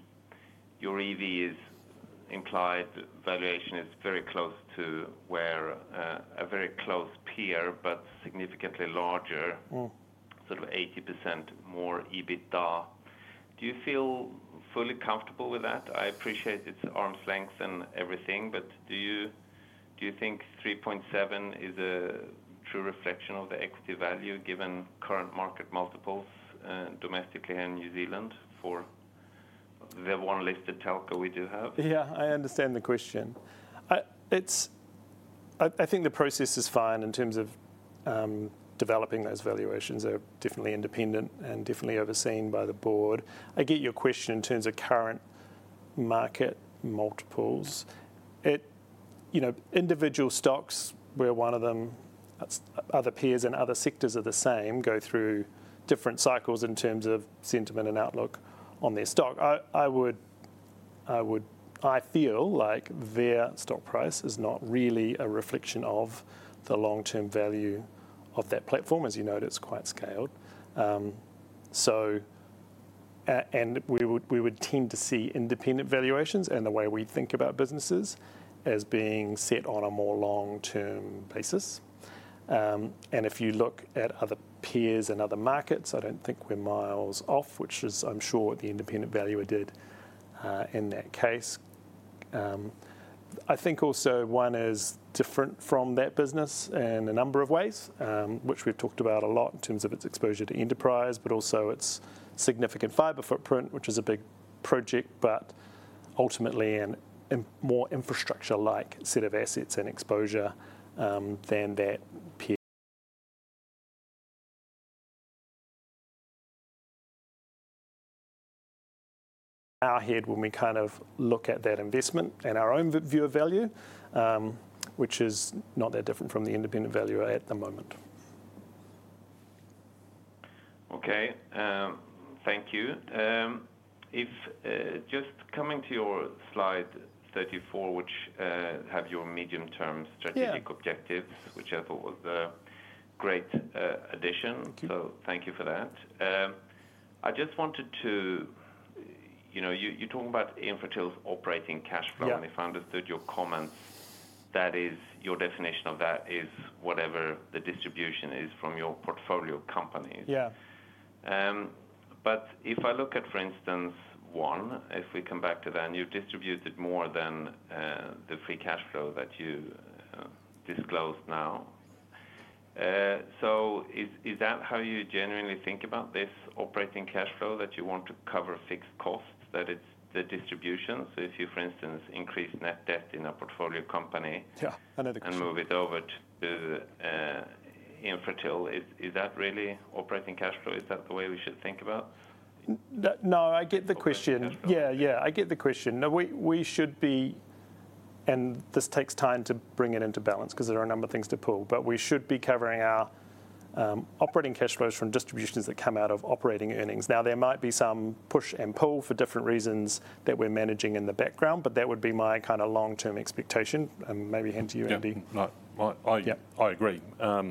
your EV implied valuation is very close to a very close peer, but significantly larger, sort of 80% more EBITDA. Do you feel fully comfortable with that? I appreciate its arm's length and everything, but do you think 3.7 billion is a true reflection of the equity value given current market multiples domestically in New Zealand for the one listed telco we do have? Yeah, I understand the question. I think the process is fine in terms of developing those valuations. They're definitely independent and definitely overseen by the board. I get your question in terms of current market multiples. Individual stocks, where one of them, other peers in other sectors are the same, go through different cycles in terms of sentiment and outlook on their stock. I feel like their stock price is not really a reflection of the long-term value of that platform. As you noted, it's quite scaled. We would tend to see independent valuations and the way we think about businesses as being set on a more long-term basis. If you look at other peers and other markets, I do not think we are miles off, which is, I am sure, what the independent value did in that case. I think also One NZ is different from that business in a number of ways, which we've talked about a lot in terms of its exposure to enterprise, but also its significant fiber footprint, which is a big project, but ultimately a more infrastructure-like set of assets and exposure than that peer. Our head, when we kind of look at that investment and our own view of value, which is not that different from the independent value at the moment. Okay. Thank you. Just coming to your slide 34, which has your medium-term strategic objectives, which I thought was a great addition. Thank you for that. I just wanted to, you're talking about Infratil operating cash flow. And if I understood your comments, that is, your definition of that is whatever the distribution is from your portfolio companies. If I look at, for instance, one, if we come back to that, and you have distributed more than the free cash flow that you disclosed now, is that how you genuinely think about this operating cash flow, that you want to cover fixed costs, that it is the distribution? If you, for instance, increase net debt in a portfolio company and move it over to Infratil, is that really operating cash flow? Is that the way we should think about it? No, I get the question. Yeah, I get the question. We should be, and this takes time to bring it into balance because there are a number of things to pull, but we should be covering our operating cash flows from distributions that come out of operating earnings. Now, there might be some push and pull for different reasons that we're managing in the background, but that would be my kind of long-term expectation. Maybe hand to you, Andy. Yeah. I agree. I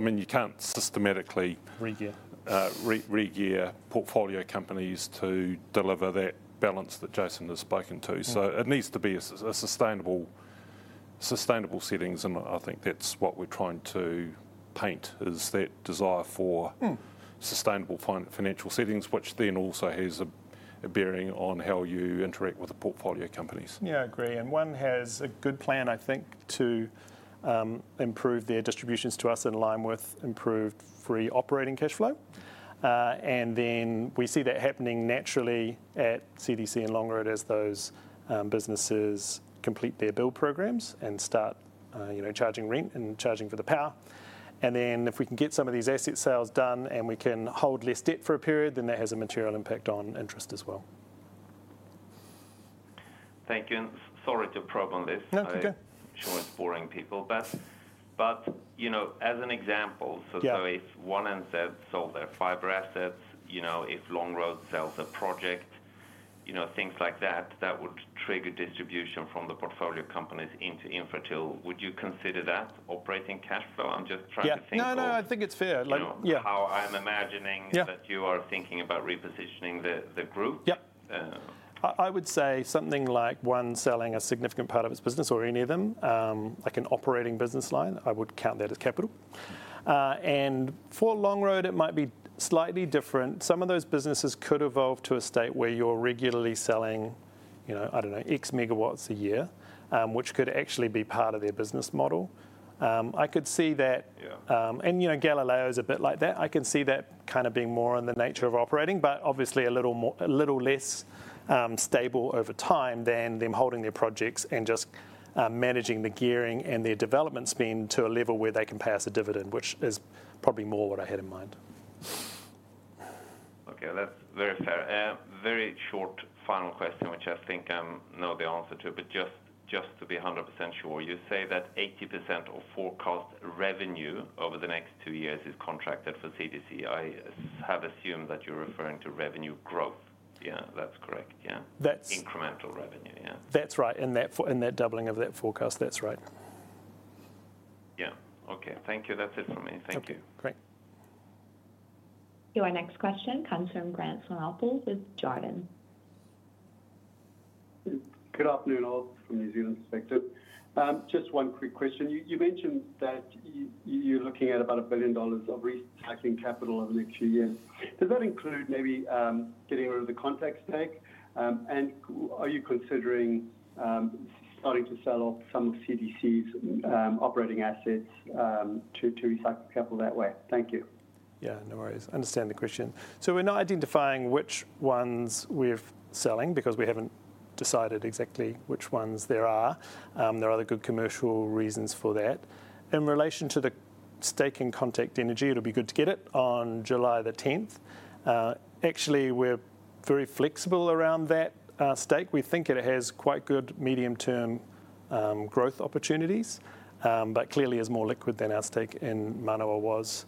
mean, you can't systematically regear portfolio companies to deliver that balance that Jason has spoken to. It needs to be a sustainable setting. I think that's what we're trying to paint is that desire for sustainable financial settings, which then also has a bearing on how you interact with the portfolio companies. Yeah, I agree. One has a good plan, I think, to improve their distributions to us in line with improved free operating cash flow. We see that happening naturally at CDC and Longroad as those businesses complete their build programs and start charging rent and charging for the power. If we can get some of these asset sales done and we can hold less debt for a period, that has a material impact on interest as well. Thank you. Sorry to probably. No, that's okay. I'm sure it's boring people. As an example, if One NZ sold their fiber assets, if Longroad sells a project, things like that, that would trigger distribution from the portfolio companies into Infratil. Would you consider that operating cash flow? I'm just trying to think. Yeah. No, no, I think it's fair. How I'm imagining that you are thinking about repositioning the group. Yep. I would say something like One NZ selling a significant part of its business or any of them, like an operating business line, I would count that as capital. For Longroad, it might be slightly different. Some of those businesses could evolve to a state where you're regularly selling, I don't know, X megawatts a year, which could actually be part of their business model. I could see that. And Galileo is a bit like that. I can see that kind of being more in the nature of operating, but obviously a little less stable over time than them holding their projects and just managing the gearing and their development spend to a level where they can pay us a dividend, which is probably more what I had in mind. Okay. That's very fair. Very short final question, which I think I know the answer to, but just to be 100% sure, you say that 80% of forecast revenue over the next two years is contracted for CDC. I have assumed that you're referring to revenue growth. Yeah, that's correct. Yeah. Incremental revenue. Yeah. That's right. That doubling of that forecast, that's right. Yeah. Okay. Thank you. That's it from me. Thank you. Okay. Great. Your next question comes from Grant Swanepoel with Jarden. Good afternoon, all. From New Zealand perspective. Just one quick question. You mentioned that you're looking at about 1 billion dollars of recycling capital over the next few years. Does that include maybe getting rid of the Contact stake? And are you considering starting to sell off some of CDC's operating assets to recycle capital that way? Thank you. Yeah, no worries. I understand the question. We're not identifying which ones we're selling because we haven't decided exactly which ones there are. There are other good commercial reasons for that. In relation to the stake in Contact Energy, it'll be good to get it on July the 10th. Actually, we're very flexible around that stake. We think it has quite good medium-term growth opportunities, but clearly is more liquid than our stake in Manawa was.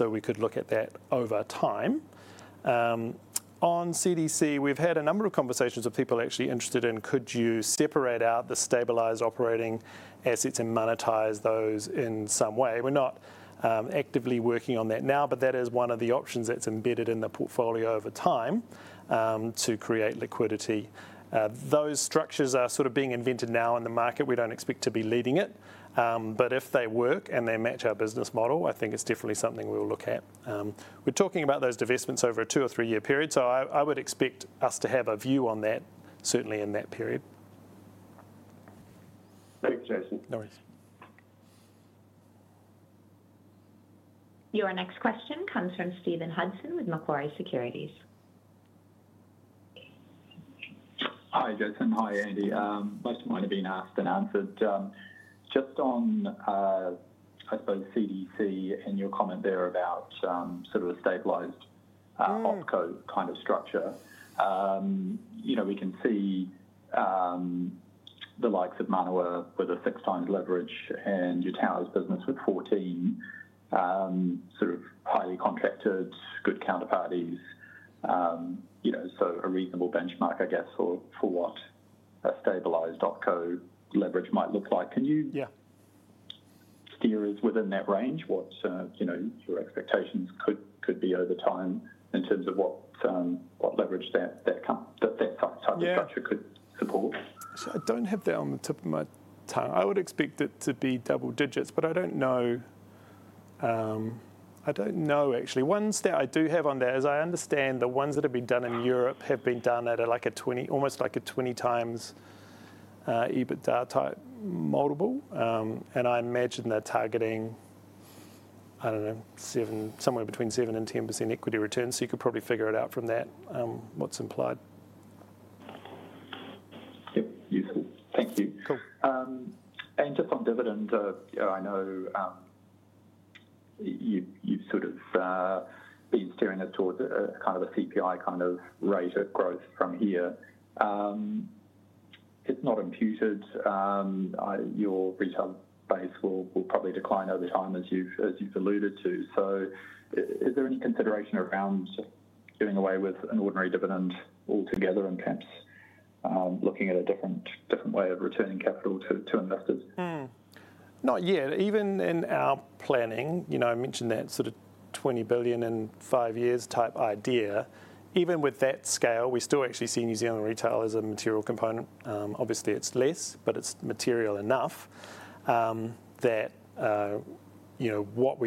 We could look at that over time. On CDC, we've had a number of conversations with people actually interested in could you separate out the stabilized operating assets and monetize those in some way. We're not actively working on that now, but that is one of the options that's embedded in the portfolio over time to create liquidity. Those structures are sort of being invented now in the market. We don't expect to be leading it. If they work and they match our business model, I think it's definitely something we'll look at. We're talking about those divestments over a two- or three-year period. I would expect us to have a view on that certainly in that period. Thanks, Jason. No worries. Your next question comes from Stephen Hudson with Macquarie Securities. Hi, Jason. Hi, Andy. Most of mine have been asked and answered. Just on, I suppose, CDC and your comment there about sort of a stabilized Opco kind of structure, we can see the likes of Manawa with a six-times leverage and your towers business with 14 sort of highly contracted, good counterparties. So a reasonable benchmark, I guess, for what a stabilized Opco leverage might look like. Can you steer us within that range? What your expectations could be over time in terms of what leverage that type of structure could support? I do not have that on the top of my tongue. I would expect it to be double digits, but I do not know. I do not know, actually. Ones that I do have on that, as I understand, the ones that have been done in Europe have been done at almost like a 20 times EBITDA type multiple. I imagine they're targeting, I don't know, somewhere between 7% and 10% equity return. You could probably figure it out from that, what's implied. Yep. Useful. Thank you. Cool. Just on dividends, I know you've sort of been steering us towards kind of a CPI kind of rate of growth from here.It's not imputed. Your retail base will probably decline over time, as you've alluded to. Is there any consideration around doing away with an ordinary dividend altogether and perhaps looking at a different way of returning capital to investors? Not yet. Even in our planning, I mentioned that sort of 20 billion in five years type idea. Even with that scale, we still actually see New Zealand retail as a material component. Obviously, it's less, but it's material enough that what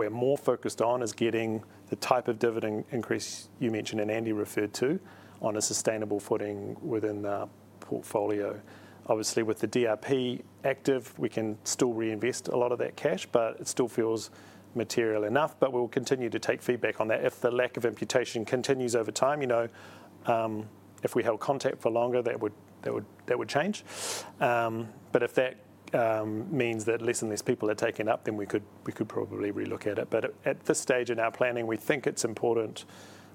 we're more focused on is getting the type of dividend increase you mentioned and Andy referred to on a sustainable footing within the portfolio. Obviously, with the DRP active, we can still reinvest a lot of that cash, but it still feels material enough. We'll continue to take feedback on that. If the lack of imputation continues over time, if we held Contact for longer, that would change. If that means that less and less people are taking up, then we could probably relook at it. At this stage in our planning, we think it's important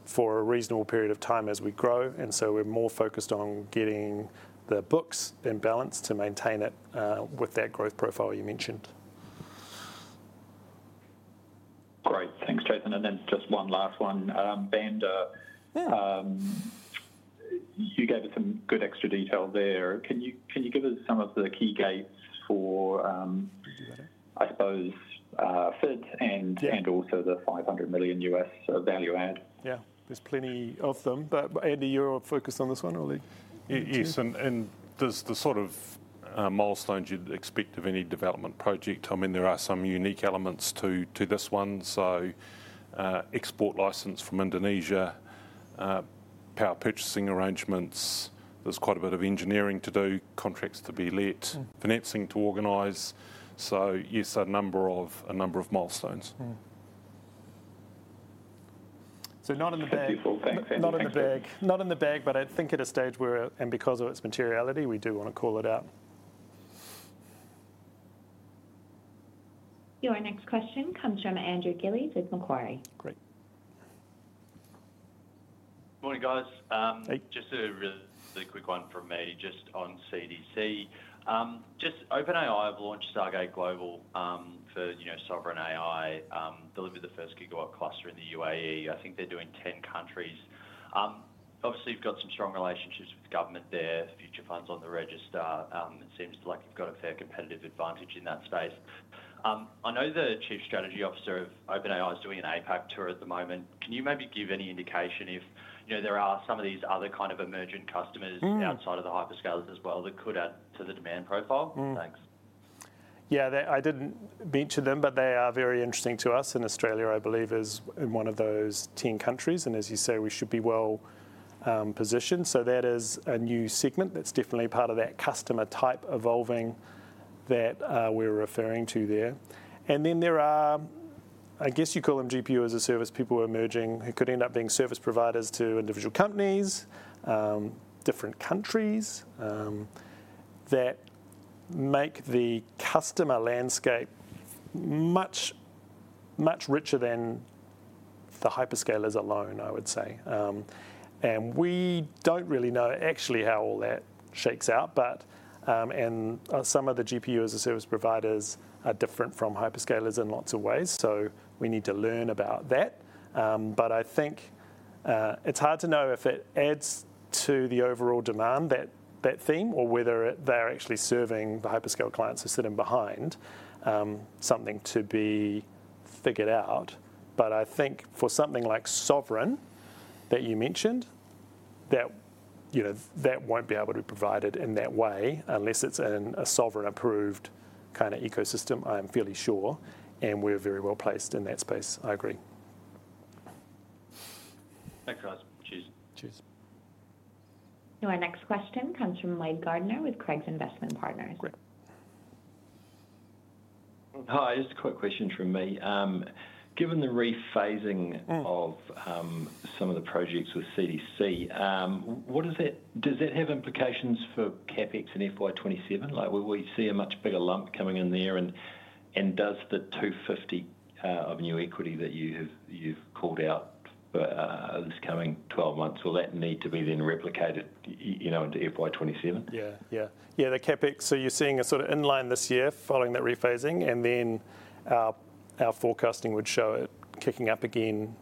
for a reasonable period of time as we grow. We're more focused on getting the books in balance to maintain it with that growth profile you mentioned. Great. Thanks, Jason. Just one last one. Bander, you gave us some good extra detail there. Can you give us some of the key gains for, I suppose, FID and also the $500 million U.S. value add? Yeah. There's plenty of them. Andy, you're focused on this one, or? Yes. There's the sort of milestones you'd expect of any development project. I mean, there are some unique elements to this one. Export license from Indonesia, power purchasing arrangements. There's quite a bit of engineering to do, contracts to be let, financing to organize. Yes, a number of milestones. Not in the bag. Thank you for all. Thanks. Not in the bag. Not in the bag, but I think at a stage where, and because of its materiality, we do want to call it out. Your next question comes from Andrew Gilley with Macquarie. Great. Morning, guys. Just a really quick one from me, just on CDC. Just OpenAI have launched Stargate Global for sovereign AI, delivered the first gigawatt cluster in the United Arab Emirates. I think they're doing 10 countries. Obviously, you've got some strong relationships with government there, Future Fund's on the register. It seems like you've got a fair competitive advantage in that space. I know the Chief Strategy Officer of OpenAI is doing an APAC tour at the moment. Can you maybe give any indication if there are some of these other kind of emergent customers outside of the hyperscalers as well that could add to the demand profile? Thanks. Yeah, I didn't mention them, but they are very interesting to us. Australia, I believe, is one of those 10 countries. As you say, we should be well positioned. That is a new segment that's definitely part of that customer type evolving that we're referring to there. There are, I guess you call them GPU as a service, people who are emerging who could end up being service providers to individual companies, different countries that make the customer landscape much richer than the hyperscalers alone, I would say. We don't really know actually how all that shakes out, but some of the GPU as a service providers are different from hyperscalers in lots of ways. We need to learn about that. But I think it's hard to know if it adds to the overall demand, that theme, or whether they're actually serving the hyperscale clients who sit in behind, something to be figured out. I think for something like sovereign that you mentioned, that won't be able to be provided in that way unless it's in a sovereign-approved kind of ecosystem, I'm fairly sure. We're very well placed in that space. I agree. Thanks, guys. Cheers. Cheers. Your next question comes from Wade Gardiner with Craigs Investment Partners. Great. Hi, just a quick question from me. Given the rephasing of some of the projects with CDC Data Centres, does that have implications for CapEx in FY2027? Will we see a much bigger lump coming in there? Does the 250 million of new equity that you've called out this coming 12 months, will that need to be then replicated into FY2027? Yeah, yeah. Yeah, the CapEx. You are seeing it sort of inline this year following that rephasing. Our forecasting would show it kicking up again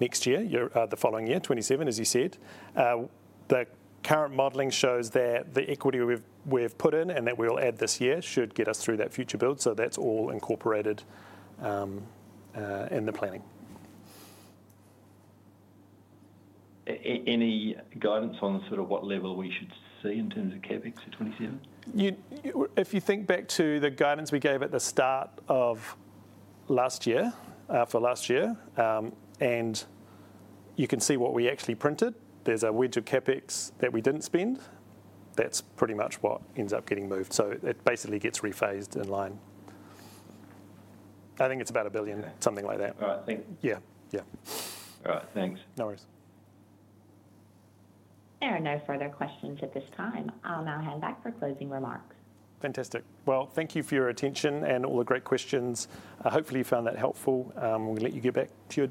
next year, the following year, 2027, as you said. The current modeling shows that the equity we have put in and that we will add this year should get us through that future build. That is all incorporated in the planning. Any guidance on what level we should see in terms of CapEx for 2027? If you think back to the guidance we gave at the start of last year for last year, and you can see what we actually printed, there is a wedge of CapEx that we did not spend. That is pretty much what ends up getting moved. It basically gets rephased in line. I think it is about $1 billion, something like that. All right. Thanks. Yeah, yeah. All right. Thanks. No worries. There are no further questions at this time. I'll now hand back for closing remarks. Fantastic. Thank you for your attention and all the great questions. Hopefully, you found that helpful. We'll let you get back to.